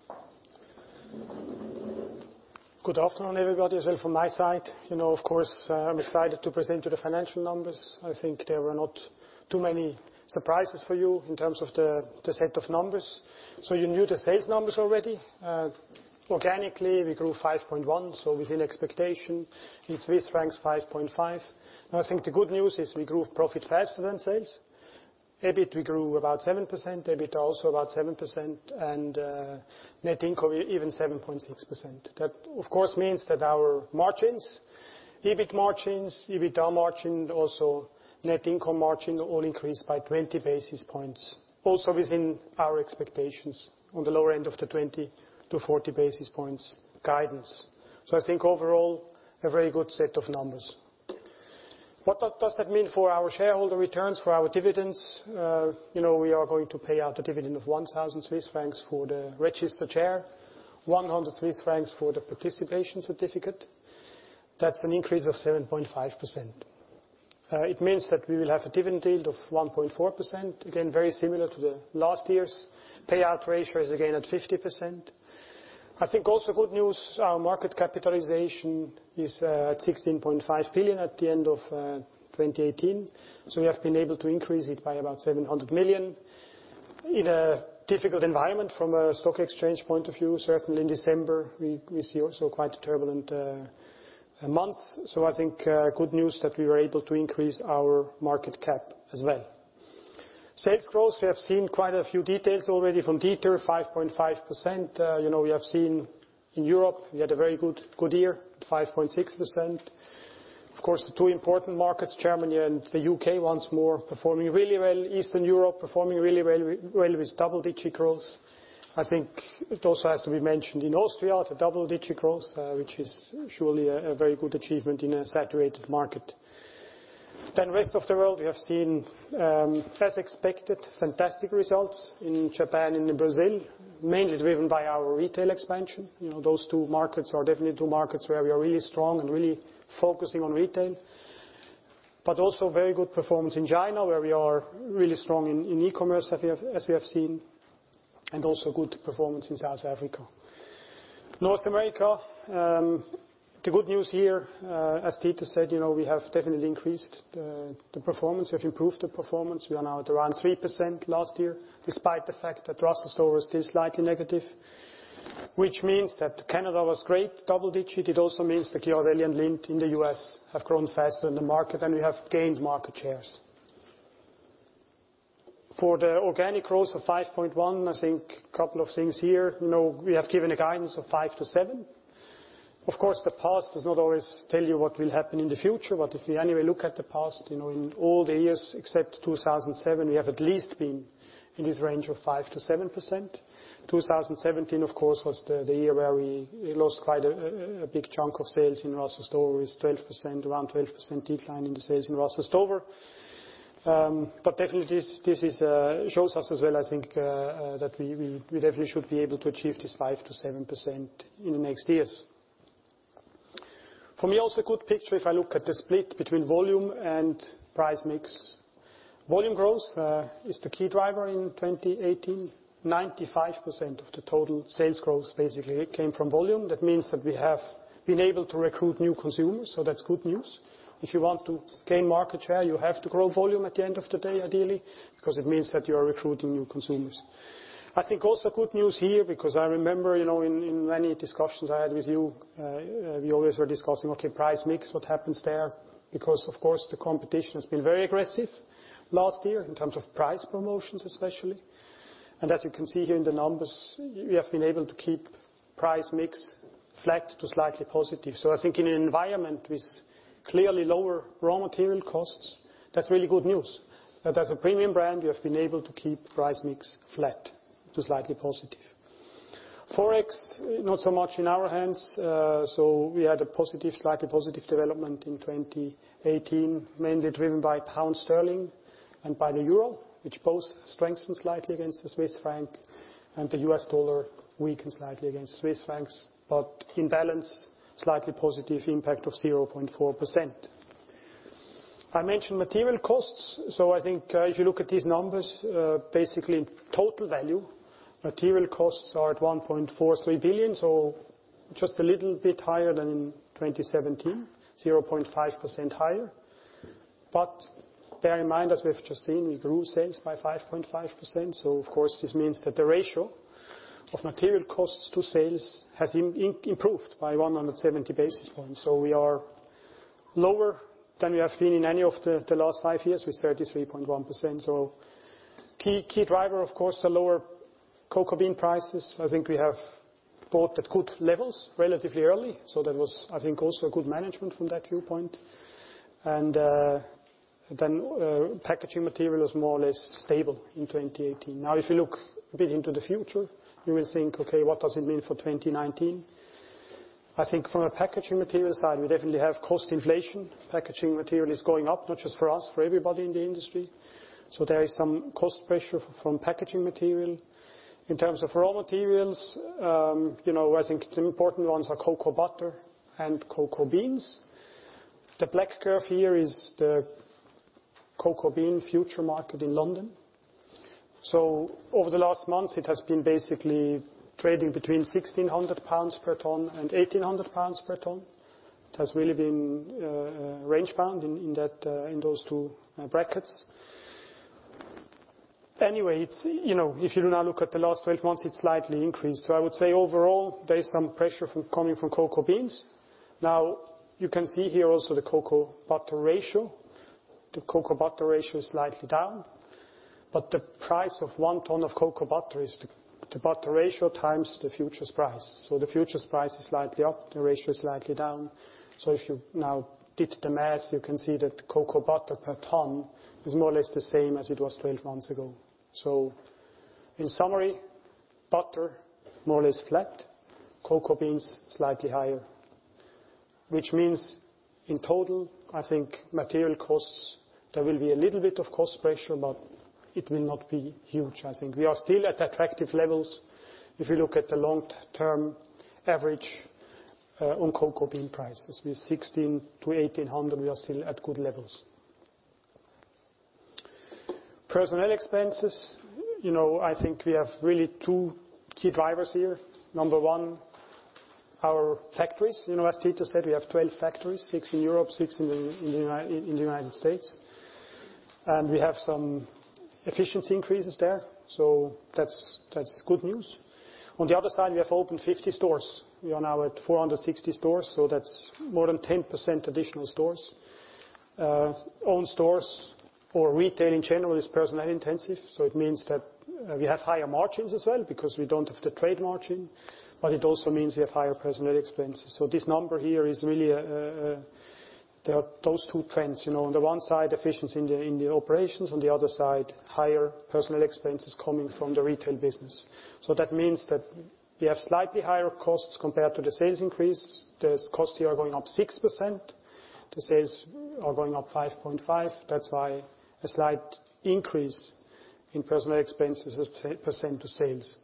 Good afternoon, everybody, as well from my side. Of course, I'm excited to present you the financial numbers. I think there were not too many surprises for you in terms of the set of numbers. You knew the sales numbers already. Organically, we grew 5.1%, within expectation. In CHF, 5.5%. I think the good news is we grew profit faster than sales. EBIT, we grew about 7%, EBITDA also about 7%, and net income even 7.6%. That of course means that our margins, EBIT margins, EBITDA margin, also net income margin, all increased by 20 basis points. Also within our expectations on the lower end of the 20 to 40 basis points guidance. I think overall, a very good set of numbers. What does that mean for our shareholder returns, for our dividends? We are going to pay out a dividend of 1,000 Swiss francs for the registered share, 100 Swiss francs for the participation certificate. That's an increase of 7.5%. It means that we will have a dividend yield of 1.4%, again, very similar to the last year's. Payout ratio is again at 50%. I think also good news, our market capitalization is at 16.5 billion at the end of 2018. We have been able to increase it by about 700 million. In a difficult environment from a stock exchange point of view, certainly in December, we see also quite a turbulent month. I think good news that we were able to increase our market cap as well. Sales growth, we have seen quite a few details already from Dieter, 5.5%. We have seen in Europe, we had a very good year at 5.6%. Of course, the two important markets, Germany and the U.K., once more, performing really well. Eastern Europe performing really well with double-digit growth. I think it also has to be mentioned in Austria, the double-digit growth, which is surely a very good achievement in a saturated market. Rest of the world, we have seen, as expected, fantastic results in Japan and in Brazil, mainly driven by our retail expansion. Those two markets are definitely two markets where we are really strong and really focusing on retail. Also very good performance in China, where we are really strong in e-commerce, as we have seen, and also good performance in South Africa. North America, the good news here, as Dieter said, we have definitely increased the performance. We have improved the performance. We are now at around 3% last year, despite the fact that Russell Stover is slightly negative, which means that Canada was great, double-digit. It also means that Ghirardelli and Lindt in the U.S. have grown faster in the market, and we have gained market shares. For the organic growth of 5.1%, I think couple of things here. We have given a guidance of 5%-7%. Of course, the past does not always tell you what will happen in the future, but if you anyway look at the past, in all the years except 2007, we have at least been in this range of 5%-7%. 2017, of course, was the year where we lost quite a big chunk of sales in Russell Stover with 12%, around 12% decline in the sales in Russell Stover. Definitely, this shows us as well, I think, that we definitely should be able to achieve this 5%-7% in the next years. For me, also a good picture if I look at the split between volume and price mix. Volume growth is the key driver in 2018. 95% of the total sales growth basically came from volume. That means that we have been able to recruit new consumers, so that's good news. If you want to gain market share, you have to grow volume at the end of the day, ideally, because it means that you are recruiting new consumers. I think also good news here, because I remember in many discussions I had with you, we always were discussing, okay, price mix, what happens there? Because of course, the competition has been very aggressive last year in terms of price promotions, especially. As you can see here in the numbers, we have been able to keep price mix flat to slightly positive. I think in an environment with clearly lower raw material costs, that's really good news. That as a premium brand, we have been able to keep price mix flat to slightly positive. Forex, not so much in our hands. We had a slightly positive development in 2018, mainly driven by GBP and by the EUR, which both strengthened slightly against the CHF, and the U.S. dollar weakened slightly against CHF. In balance, slightly positive impact of 0.4%. I mentioned material costs. I think if you look at these numbers, basically total value, material costs are at 1.43 billion, just a little bit higher than in 2017, 0.5% higher. Bear in mind, as we have just seen, we grew sales by 5.5%. Of course, this means that the ratio of material costs to sales has improved by 170 basis points. We are lower than we have been in any of the last five years with 33.1%. Key driver, of course, the lower cocoa bean prices. I think we have bought at good levels relatively early. That was, I think, also a good management from that viewpoint. Packaging material is more or less stable in 2018. If you look a bit into the future, you will think, okay, what does it mean for 2019? I think from a packaging material side, we definitely have cost inflation. Packaging material is going up, not just for us, for everybody in the industry. There is some cost pressure from packaging material. In terms of raw materials, I think the important ones are cocoa butter and cocoa beans. The black curve here is the cocoa bean future market in London. Over the last months, it has been basically trading between 1,600 pounds per ton and 1,800 pounds per ton. It has really been range bound in those two brackets. If you now look at the last 12 months, it's slightly increased. I would say overall, there is some pressure coming from cocoa beans. You can see here also the cocoa butter ratio. The cocoa butter ratio is slightly down, but the price of one ton of cocoa butter is the butter ratio times the futures price. The futures price is slightly up, the ratio is slightly down. If you now did the maths, you can see that cocoa butter per ton is more or less the same as it was 12 months ago. In summary, butter, more or less flat. Cocoa beans, slightly higher. Which means in total, I think material costs, there will be a little bit of cost pressure, but it will not be huge. I think we are still at attractive levels if you look at the long-term average on cocoa bean prices. With 1,600 to 1,800, we are still at good levels. Personnel expenses. I think we have really two key drivers here. Number 1, our factories. As Dieter said, we have 12 factories, 6 in Europe, 6 in the U.S. We have some efficiency increases there, so that's good news. On the other side, we have opened 50 stores. We are now at 460 stores, that's more than 10% additional stores. Owned stores or retail in general is personnel intensive, it means that we have higher margins as well because we don't have the trade margin, but it also means we have higher personnel expenses. This number here is really those two trends. On the one side, efficiency in the operations, on the other side, higher personnel expenses coming from the retail business. That means that we have slightly higher costs compared to the sales increase. The costs here are going up 6%, the sales are going up 5.5%. That's why a slight increase in personnel expenses as percent to sales.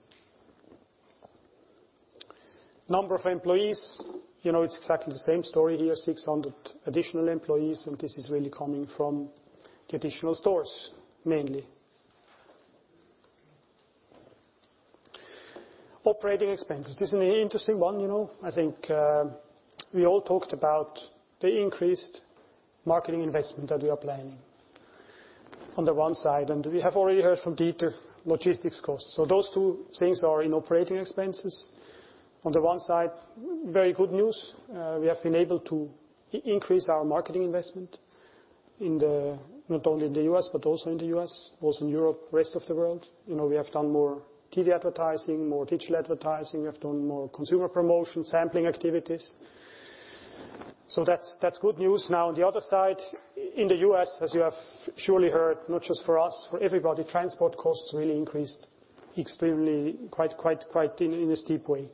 Number of employees. It's exactly the same story here, 600 additional employees. This is really coming from the additional stores mainly. Operating expenses. This is an interesting one. I think we all talked about the increased marketing investment that we are planning on the one side, we have already heard from Dieter logistics costs. Those two things are in operating expenses. On the one side, very good news. We have been able to increase our marketing investment not only in the U.S., but also in the U.S., both in Europe, rest of the world. We have done more TV advertising, more digital advertising. We have done more consumer promotion, sampling activities. That's good news. On the other side, in the U.S. as you have surely heard, not just for us, for everybody, transport costs really increased extremely quite in a steep way.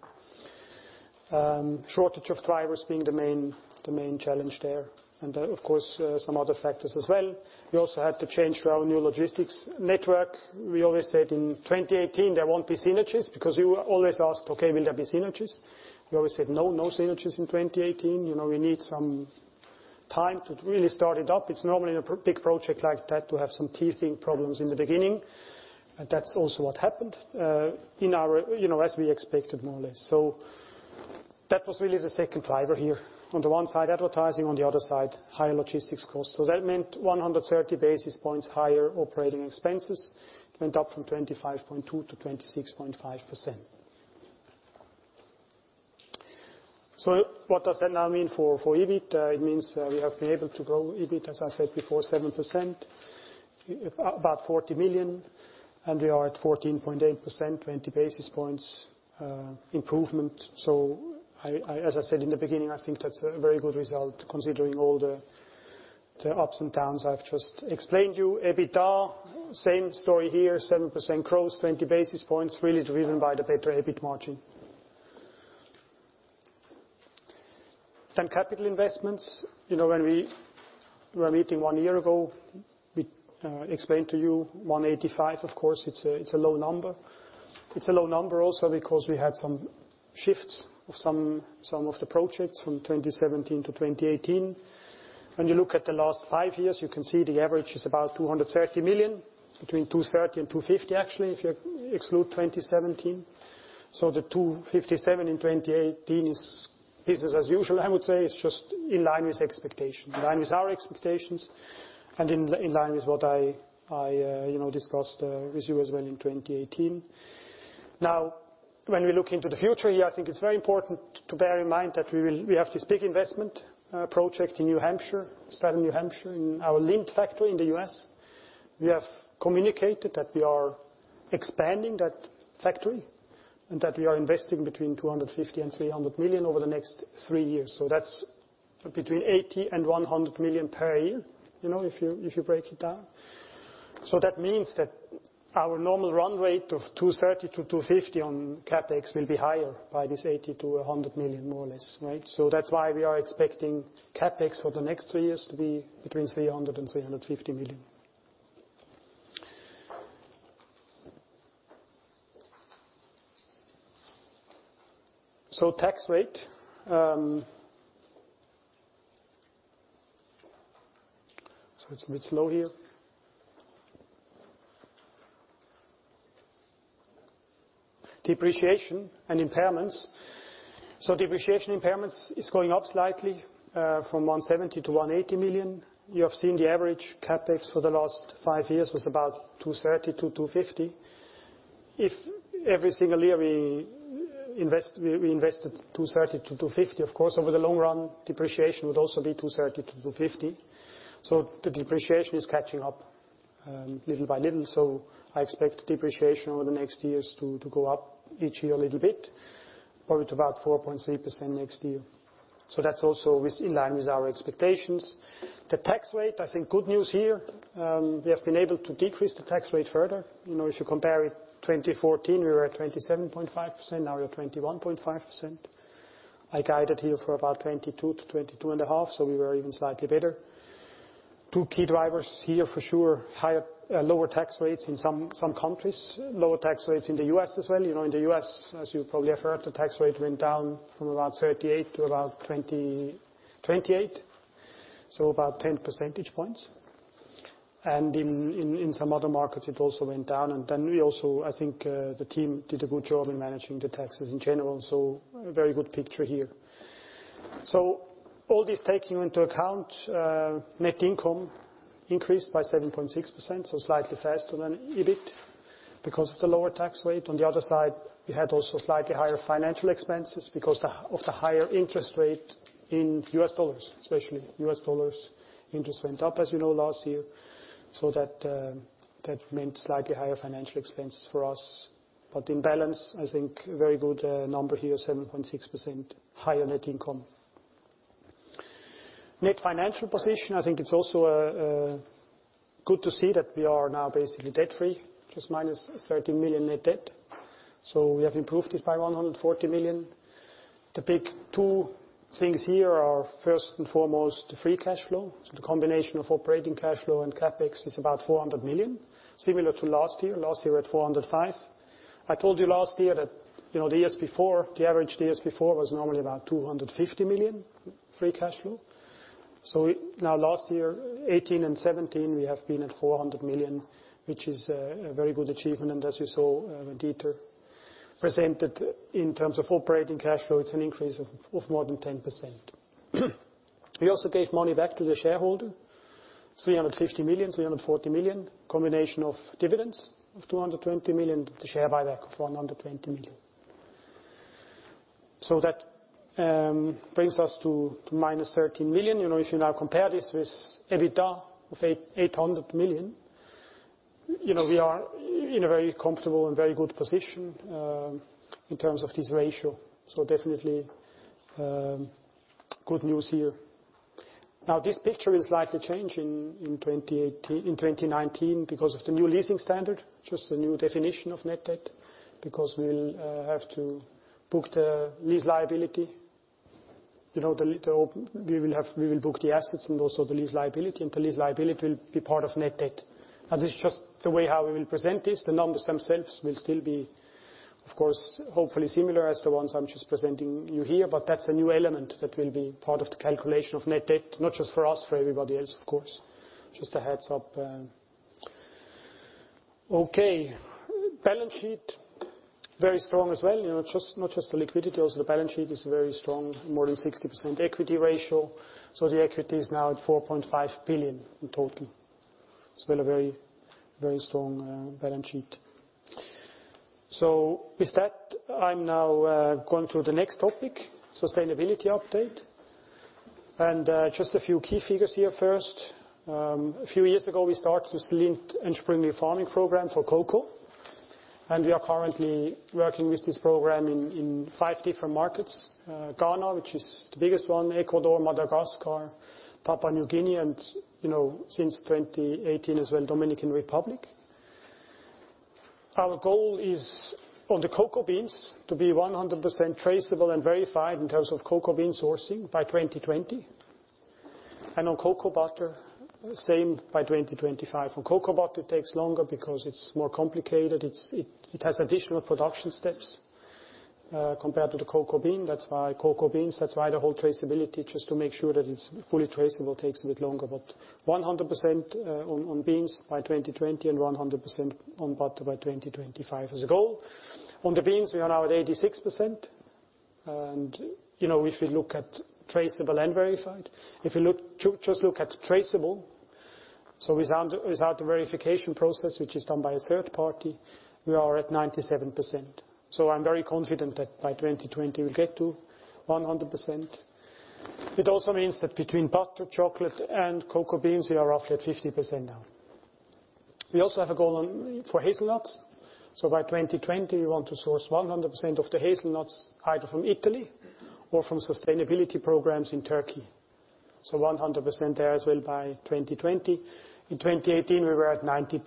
Shortage of drivers being the main challenge there and of course, some other factors as well. We also had to change to our new logistics network. We always said in 2018, there won't be synergies because we were always asked, "Okay, will there be synergies?" We always said, "No synergies in 2018." We need some time to really start it up. It's normally in a big project like that to have some teething problems in the beginning. That's also what happened as we expected, more or less. That was really the second driver here. On the one side advertising, on the other side higher logistics costs. That meant 130 basis points higher operating expenses went up from 25.2% to 26.5%. What does that now mean for EBIT? It means we have been able to grow EBIT, as I said before, 7%, about 40 million, and we are at 14.8%, 20 basis points improvement. As I said in the beginning, I think that's a very good result considering all the ups and downs I've just explained you. EBITDA, same story here, 7% growth, 20 basis points really driven by the better EBIT margin. Capital investments. When we were meeting one year ago, we explained to you 185, of course, it's a low number. It's a low number also because we had some shifts of some of the projects from 2017 to 2018. When you look at the last five years, you can see the average is about 230 million, between 230 million and 250 million actually, if you exclude 2017. The 257 in 2018 is business as usual, I would say. It's just in line with expectation, in line with our expectations and in line with what I discussed with you as well in 2018. When we look into the future here, I think it's very important to bear in mind that we have this big investment project in New Hampshire, Stratham, New Hampshire, in our Lindt factory in the U.S. We have communicated that we are expanding that factory and that we are investing between 250 million and 300 million over the next three years. That's between 80 million and 100 million per year, if you break it down. That means that our normal run rate of 230 million to 250 million on CapEx will be higher by this 80 million to 100 million, more or less, right? That's why we are expecting CapEx for the next three years to be between 300 million and 350 million. Tax rate. It's a bit slow here. Depreciation and impairments. Depreciation impairments is going up slightly from 170 million to 180 million. You have seen the average CapEx for the last five years was about 230 million to 250 million. If every single year we invested 230 million to 250 million, of course over the long run, depreciation would also be 230 million to 250 million. The depreciation is catching up little by little. I expect depreciation over the next years to go up each year a little bit. Probably to about 4.3% next year. That's also is in line with our expectations. The tax rate, I think good news here. We have been able to decrease the tax rate further. If you compare it, 2014 we were at 27.5%, now we are 21.5%. I guided here for about 22%-22.5%, we were even slightly better. Two key drivers here for sure, lower tax rates in some countries, lower tax rates in the U.S. as well. In the U.S., as you probably have heard, the tax rate went down from about 38 to about 28, so about 10 percentage points. In some other markets it also went down. We also, I think, the team did a good job in managing the taxes in general. A very good picture here. All this taking into account net income increased by 7.6%, so slightly faster than EBIT because of the lower tax rate. On the other side, we had also slightly higher financial expenses because of the higher interest rate in U.S. dollars, especially U.S. dollars interest went up as you know last year. That meant slightly higher financial expenses for us. In balance, I think very good number here, 7.6% higher net income. Net financial position, I think it's also good to see that we are now basically debt-free, just minus 13 million net debt. We have improved it by 140 million. The big two things here are first and foremost, the free cash flow. The combination of operating cash flow and CapEx is about 400 million, similar to last year. Last year was 405 million. I told you last year that the years before, the average years before was normally about 250 million free cash flow. Now last year, 2018 and 2017, we have been at 400 million, which is a very good achievement. As you saw, when Dieter presented in terms of operating cash flow, it's an increase of more than 10%. We also gave money back to the shareholder, 350 million, 340 million, combination of dividends of 220 million, the share buyback of 120 million. That brings us to minus 13 million. If you now compare this with EBITDA of 800 million, we are in a very comfortable and very good position in terms of this ratio. Definitely good news here. This picture is slightly changing in 2019 because of the new leasing standard, just the new definition of net debt, because we'll have to book the lease liability. We will book the assets and also the lease liability, and the lease liability will be part of net debt. This is just the way how we will present this. The numbers themselves will still be, of course, hopefully similar as the ones I'm just presenting you here. That's a new element that will be part of the calculation of net debt, not just for us, for everybody else, of course. Just a heads up. Okay. Balance sheet, very strong as well. Not just the liquidity, also the balance sheet is very strong, more than 60% equity ratio. The equity is now at 4.5 billion in total. Still a very strong balance sheet. With that, I'm now going through the next topic, sustainability update. Just a few key figures here first. A few years ago, we started the Lindt & Sprüngli Farming Program for cocoa, and we are currently working with this program in five different markets. Ghana, which is the biggest one, Ecuador, Madagascar, Papua New Guinea, and since 2018 as well, Dominican Republic. Our goal is on the cocoa beans to be 100% traceable and verified in terms of cocoa bean sourcing by 2020. On cocoa butter, same by 2025. On cocoa butter it takes longer because it's more complicated. It has additional production steps compared to the cocoa bean, that's why cocoa beans, that's why the whole traceability, just to make sure that it's fully traceable takes a bit longer. 100% on beans by 2020 and 100% on butter by 2025 is the goal. On the beans, we are now at 86%. If you look at traceable and verified, if you just look at traceable, so without the verification process, which is done by a third party, we are at 97%. I'm very confident that by 2020 we'll get to 100%. It also means that between butter, chocolate, and cocoa beans, we are roughly at 50% now. We also have a goal for hazelnuts. By 2020, we want to source 100% of the hazelnuts either from Italy or from sustainability programs in Turkey. 100% there as well by 2020. In 2018, we were at 90%.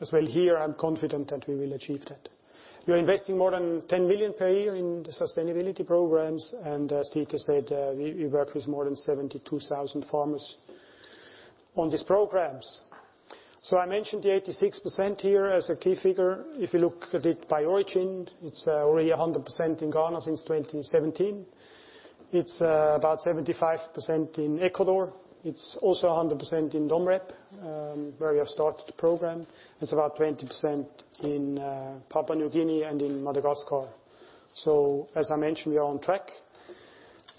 As well here, I'm confident that we will achieve that. We are investing more than 10 million per year in the sustainability programs, and as Dieter said, we work with more than 72,000 farmers on these programs. I mentioned the 86% here as a key figure. If you look at it by origin, it's already 100% in Ghana since 2017. It's about 75% in Ecuador. It's also 100% in Dom Rep, where we have started the program. It's about 20% in Papua New Guinea and in Madagascar. As I mentioned, we are on track.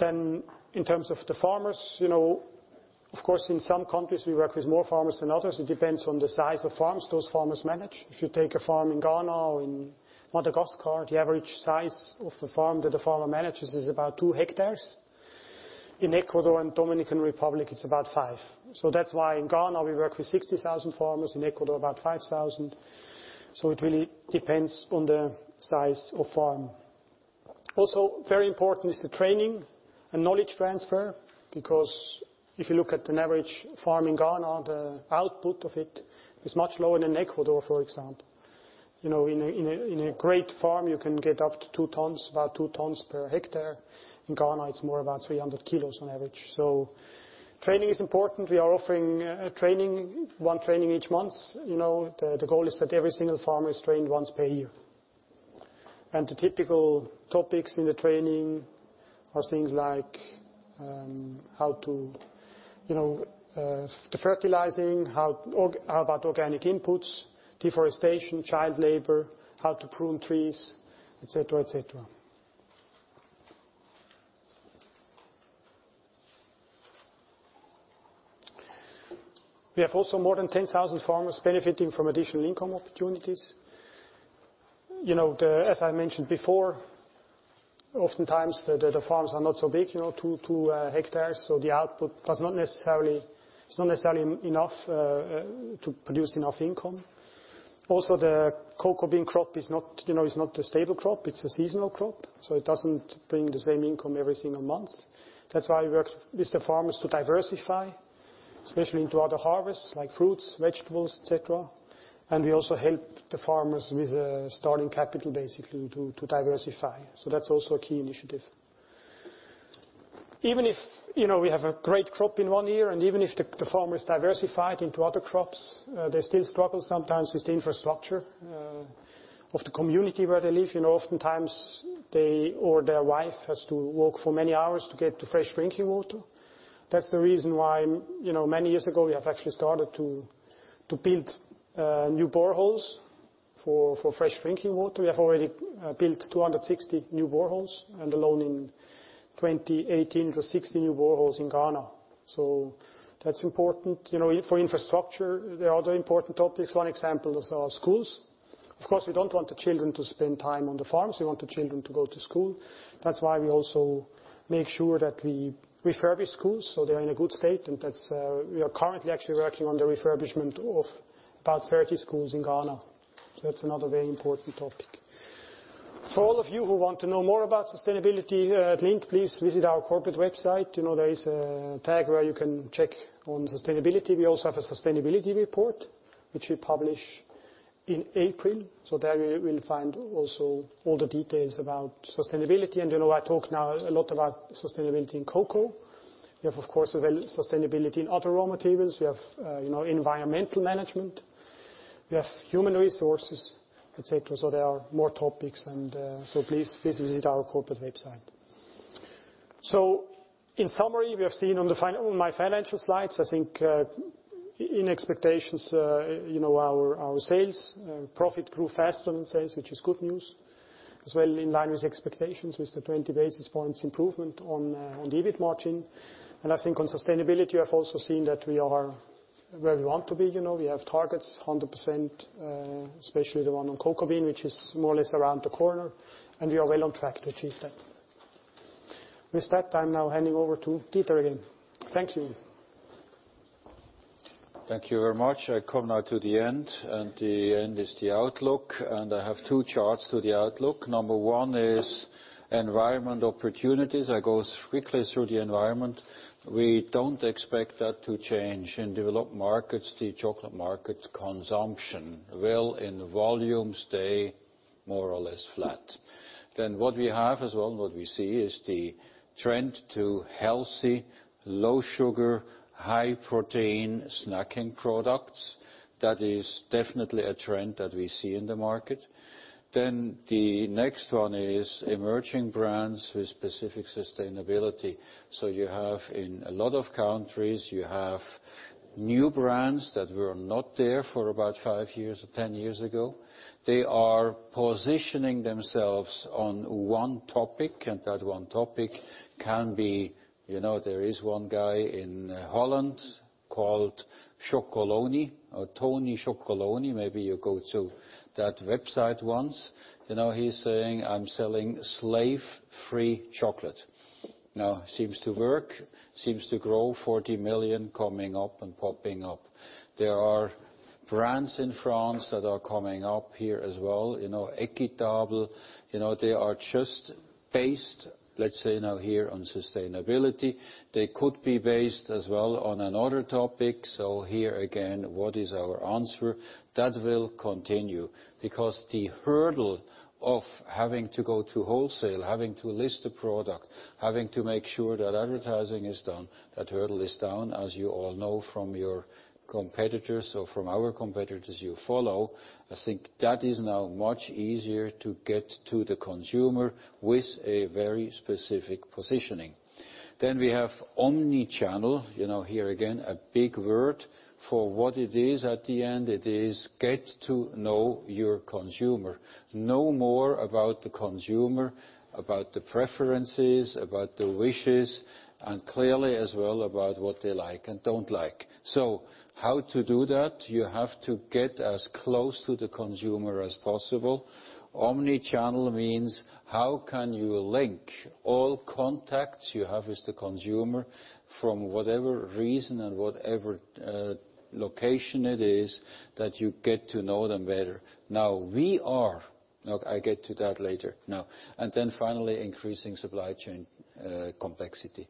In terms of the farmers, of course in some countries we work with more farmers than others. It depends on the size of farms those farmers manage. If you take a farm in Ghana or in Madagascar, the average size of the farm that the farmer manages is about two hectares. In Ecuador and Dominican Republic, it's about five. That's why in Ghana we work with 60,000 farmers, in Ecuador, about 5,000. It really depends on the size of farm. Also very important is the training and knowledge transfer, because if you look at an average farm in Ghana, the output of it is much lower than Ecuador, for example. In a great farm, you can get up to about two tons per hectare. In Ghana, it's more about 300 kilos on average. Training is important. We are offering one training each month. The goal is that every single farmer is trained once per year. The typical topics in the training are things like the fertilizing, how about organic inputs, deforestation, child labor, how to prune trees, et cetera. We have also more than 10,000 farmers benefiting from additional income opportunities. As I mentioned before, oftentimes the farms are not so big, two hectares, so the output it's not necessarily enough to produce enough income. The cocoa bean crop is not a stable crop. It's a seasonal crop, so it doesn't bring the same income every single month. That's why we work with the farmers to diversify, especially into other harvests like fruits, vegetables, et cetera. We also help the farmers with starting capital, basically to diversify. That's also a key initiative. Even if we have a great crop in one year, and even if the farmer has diversified into other crops, they still struggle sometimes with the infrastructure of the community where they live. Oftentimes they or their wife has to walk for many hours to get to fresh drinking water. That's the reason why many years ago we have actually started to build new boreholes for fresh drinking water. We have already built 260 new boreholes, and alone in 2018, it was 60 new boreholes in Ghana. That's important. For infrastructure, there are other important topics. One example is our schools. Of course, we don't want the children to spend time on the farms. We want the children to go to school. That's why we also make sure that we refurbish schools so they're in a good state. We are currently actually working on the refurbishment of about 30 schools in Ghana. That's another very important topic. For all of you who want to know more about sustainability at Lindt, please visit our corporate website. There is a tag where you can check on sustainability. We also have a sustainability report, which we publish in April. There you will find also all the details about sustainability. You know I talk now a lot about sustainability in cocoa. We have, of course, sustainability in other raw materials. We have environmental management. We have human resources, et cetera. There are more topics, please visit our corporate website. In summary, we have seen on my financial slides, I think, in expectations our sales profit grew faster than sales, which is good news, as well in line with expectations with the 20 basis points improvement on the EBIT margin. I think on sustainability, we have also seen that we are where we want to be. We have targets 100%, especially the one on cocoa bean, which is more or less around the corner, and we are well on track to achieve that. With that, I'm now handing over to Dieter again. Thank you. Thank you very much. I come now to the end, and the end is the outlook, and I have two charts to the outlook. Number one is environment opportunities. I go quickly through the environment. We don't expect that to change. In developed markets, the chocolate market consumption will in volume stay more or less flat. What we have as well, and what we see is the trend to healthy, low sugar, high protein snacking products. That is definitely a trend that we see in the market. The next one is emerging brands with specific sustainability. You have in a lot of countries, you have new brands that were not there for about five years or 10 years ago. They are positioning themselves on one topic, and that one topic can be, there is one guy in Holland called Chocolonely or Tony's Chocolonely. Maybe you go to that website once. He's saying, "I'm selling slave-free chocolate." Seems to work, seems to grow, 40 million coming up and popping up. There are brands in France that are coming up here as well, Ethiquable. They are just based, let's say now here on sustainability. They could be based as well on another topic. Here again, what is our answer? That will continue because the hurdle of having to go to wholesale, having to list a product, having to make sure that advertising is done, that hurdle is down, as you all know from your competitors or from our competitors you follow. I think that is now much easier to get to the consumer with a very specific positioning. We have omnichannel, here again, a big word. For what it is, at the end, it is get to know your consumer. Know more about the consumer, about the preferences, about the wishes, and clearly as well about what they like and don't like. How to do that? You have to get as close to the consumer as possible. Omnichannel means how can you link all contacts you have with the consumer from whatever reason and whatever location it is that you get to know them better? I get to that later. Finally, increasing supply chain complexity.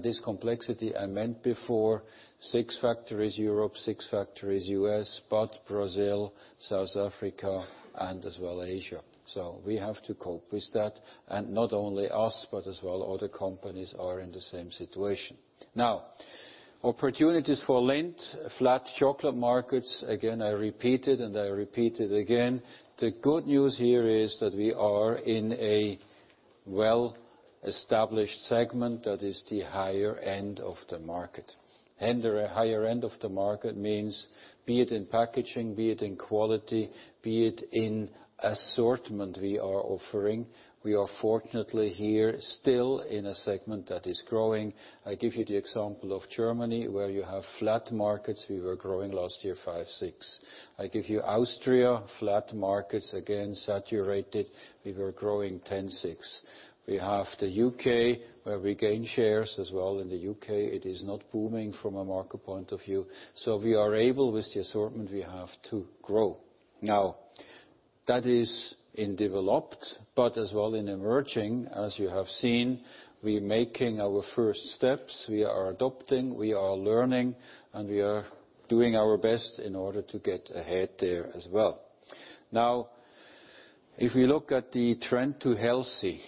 This complexity I meant before, 6 factories Europe, 6 factories U.S., but Brazil, South Africa, and as well Asia. We have to cope with that, and not only us, but as well other companies are in the same situation. Opportunities for Lindt. Flat chocolate markets, again, I repeat it and I repeat it again. The good news here is that we are in a well-established segment that is the higher end of the market. The higher end of the market means, be it in packaging, be it in quality, be it in assortment we are offering, we are fortunately here still in a segment that is growing. I give you the example of Germany, where you have flat markets. We were growing last year 5%, 6%. I give you Austria, flat markets, again saturated. We were growing 10%, 6%. We have the U.K., where we gain shares as well in the U.K. It is not booming from a market point of view. We are able, with the assortment we have, to grow. That is in developed, but as well in emerging, as you have seen, we're making our first steps. We are adopting, we are learning, and we are doing our best in order to get ahead there as well. If we look at the trend to healthy.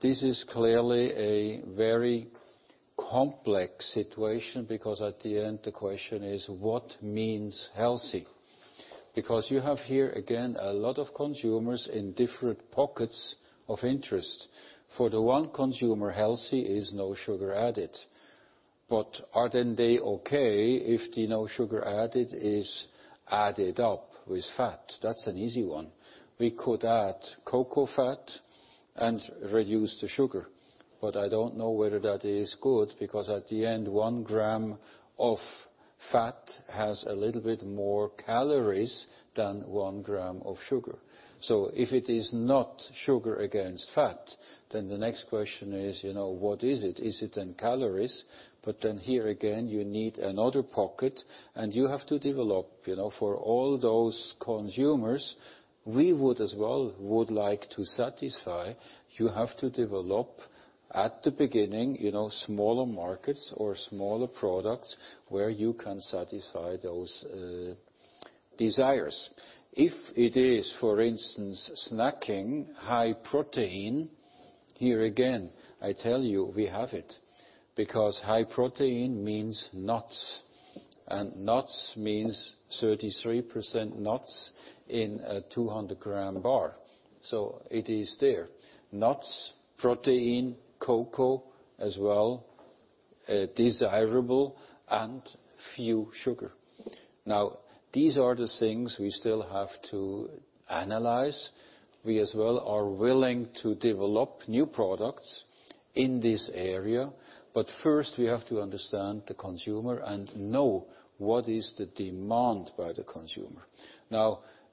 This is clearly a very complex situation because at the end the question is what means healthy? Because you have here again, a lot of consumers in different pockets of interest. For the one consumer, healthy is no sugar added. Are then they okay if the no sugar added is added up with fat? That's an easy one. We could add cocoa fat and reduce the sugar, but I don't know whether that is good because at the end, 1 gram of fat has a little bit more calories than 1 gram of sugar. If it is not sugar against fat, the next question is, what is it? Is it in calories? Here again, you need another pocket and you have to develop for all those consumers we would as well like to satisfy. You have to develop at the beginning, smaller markets or smaller products where you can satisfy those desires. If it is, for instance, snacking, high protein. Here again, I tell you we have it, because high protein means nuts, and nuts means 33% nuts in a 200-gram bar. It is there. Nuts, protein, cocoa as well, desirable and few sugar. These are the things we still have to analyze. We as well are willing to develop new products in this area, but first we have to understand the consumer and know what is the demand by the consumer.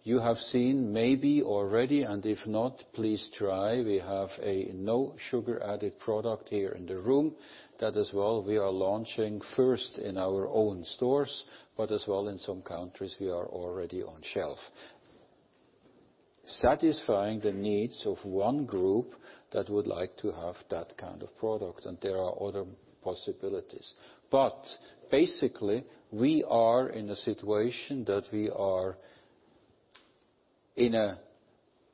You have seen maybe already and if not, please try. We have a no sugar added product here in the room that as well we are launching first in our own stores, but as well in some countries we are already on shelf. Satisfying the needs of one group that would like to have that kind of product, and there are other possibilities. Basically, we are in a situation that we are in a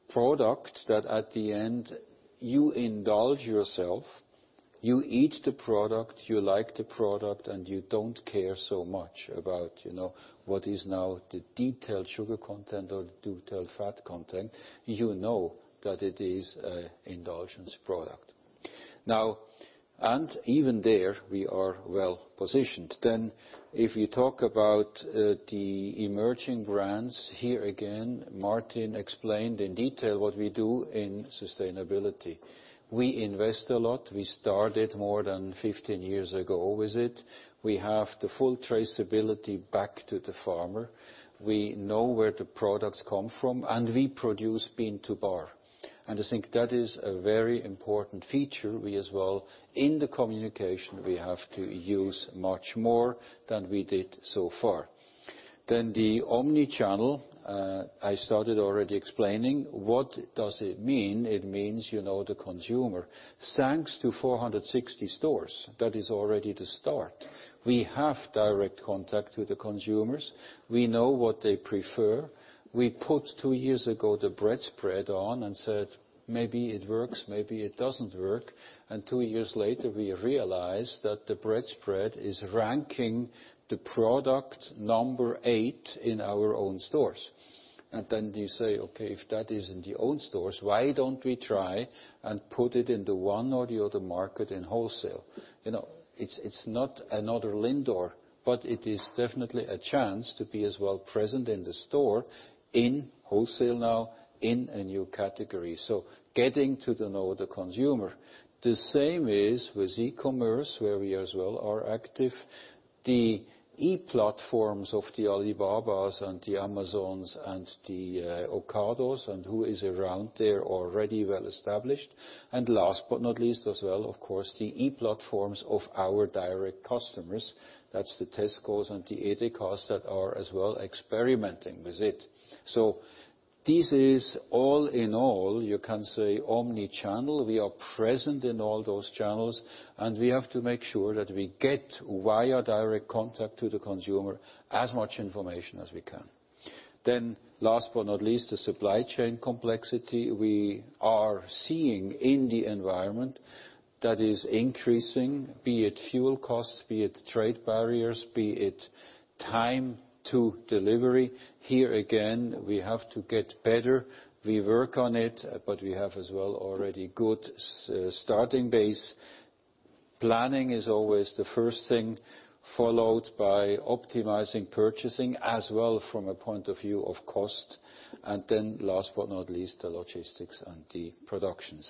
product that at the end you indulge yourself. You eat the product, you like the product, and you don't care so much about what is now the detailed sugar content or the detailed fat content. You know that it is an indulgence product. Even there we are well positioned. If you talk about the emerging brands, here again, Martin explained in detail what we do in sustainability. We invest a lot. We started more than 15 years ago with it. We have the full traceability back to the farmer. We know where the products come from, and we produce bean-to-bar. I think that is a very important feature we as well in the communication we have to use much more than we did so far. The omnichannel, I started already explaining what does it mean? It means the consumer. Thanks to 460 stores, that is already the start. We have direct contact with the consumers. We know what they prefer. We put two years ago the bread spread on and said, "Maybe it works, maybe it doesn't work." Two years later we realized that the bread spread is ranking the product number 8 in our own stores. You say, "Okay, if that is in the own stores, why don't we try and put it in the one or the other market in wholesale?" It's not another LINDOR, but it is definitely a chance to be as well present in the store, in wholesale now, in a new category. Getting to know the consumer. The same is with e-commerce, where we as well are active. The e-platforms of the Alibabas and the Amazons and the Ocados and who is around there already well established. Last but not least as well, of course, the e-platforms of our direct customers. That's the Tescos and the Edekas that are as well experimenting with it. This is all in all, you can say, omnichannel. We are present in all those channels. We have to make sure that we get via direct contact to the consumer as much information as we can. Last but not least, the supply chain complexity we are seeing in the environment that is increasing, be it fuel costs, be it trade barriers, be it time to delivery. Here again, we have to get better. We work on it, but we have as well already good starting base. Planning is always the first thing, followed by optimizing purchasing as well from a point of view of cost. Last but not least, the logistics and the production.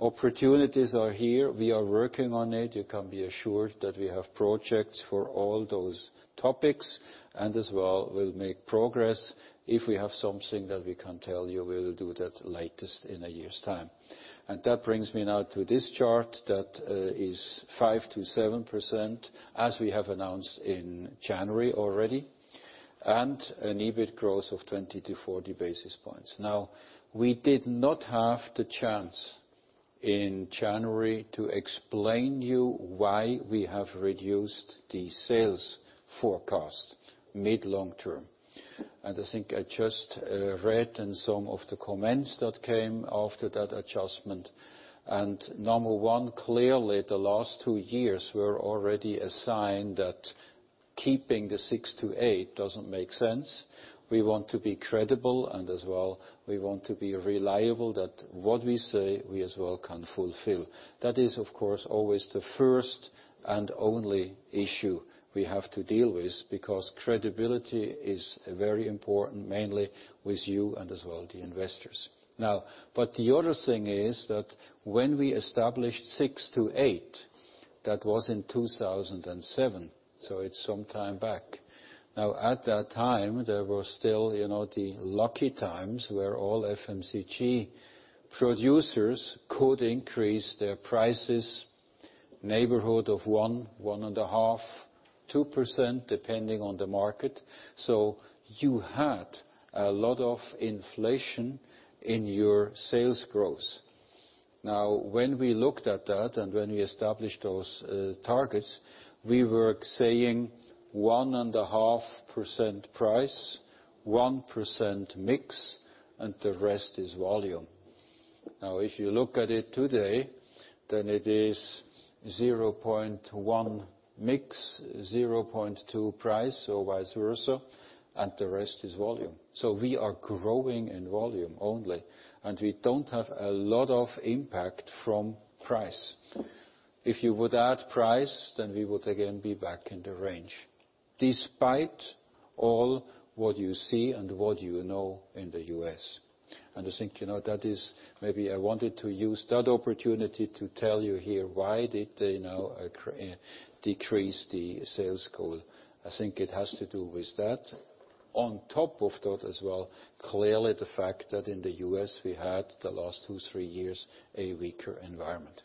Opportunities are here. We are working on it. You can be assured that we have projects for all those topics. As well, we'll make progress. If we have something that we can tell you, we'll do that latest in a year's time. That brings me now to this chart that is 5%-7%, as we have announced in January already, and an EBIT growth of 20-40 basis points. We did not have the chance in January to explain to you why we have reduced the sales forecast mid, long term. I think I just read in some of the comments that came after that adjustment. Number one, clearly, the last two years were already a sign that keeping the 6%-8% doesn't make sense. We want to be credible and as well, we want to be reliable that what we say, we as well can fulfill. That is, of course, always the first and only issue we have to deal with because credibility is very important, mainly with you and as well the investors. The other thing is that when we established 6%-8%, that was in 2007, so it's some time back. At that time, there were still the lucky times where all FMCG producers could increase their prices, neighborhood of 1%, 1.5%, 2%, depending on the market. You had a lot of inflation in your sales growth. When we looked at that and when we established those targets, we were saying 1.5% price, 1% mix. The rest is volume. If you look at it today, then it is 0.1 mix, 0.2 price or vice versa. The rest is volume. We are growing in volume only. We don't have a lot of impact from price. If you would add price, then we would again be back in the range. Despite all what you see and what you know in the U.S. I think that is maybe I wanted to use that opportunity to tell you here, why did they now decrease the sales goal? I think it has to do with that. On top of that as well, clearly the fact that in the U.S. we had the last two, three years a weaker environment.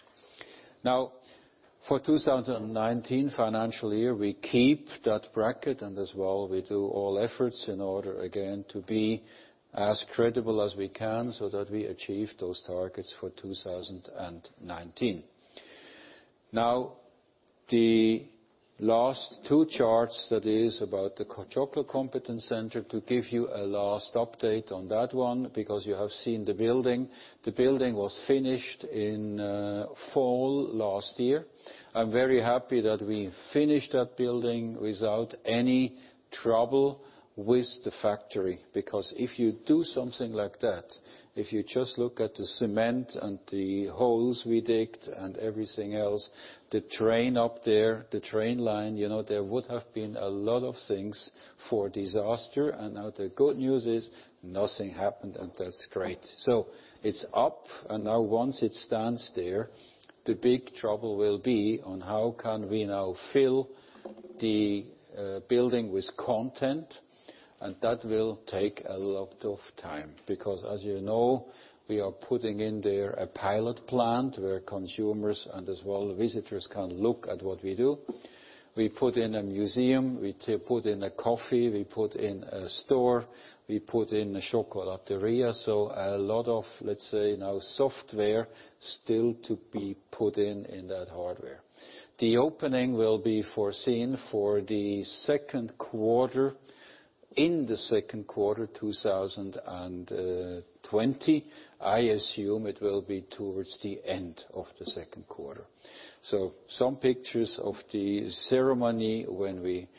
For 2019 financial year, we keep that bracket. As well, we do all efforts in order again to be as credible as we can so that we achieve those targets for 2019. The last two charts that is about the Chocolate Competence Center to give you a last update on that one because you have seen the building. The building was finished in fall last year. I'm very happy that we finished that building without any trouble with the factory because if you do something like that, if you just look at the cement and the holes we dug and everything else, the train up there, the train line, there would have been a lot of things for disaster. Now the good news is nothing happened, and that's great. It's up, and now once it stands there, the big trouble will be on how can we now fill the building with content, and that will take a lot of time because as you know, we are putting in there a pilot plant where consumers and as well visitors can look at what we do. We put in a museum, we put in a coffee, we put in a store, we put in a Chocolateria. A lot of, let's say, now software still to be put in in that hardware. The opening will be foreseen for the second quarter, in the second quarter 2020. I assume it will be towards the end of the second quarter. Some pictures of the ceremony when we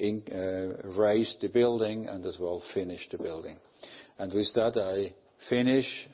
raised the building and as well finished the building. With that, I finish.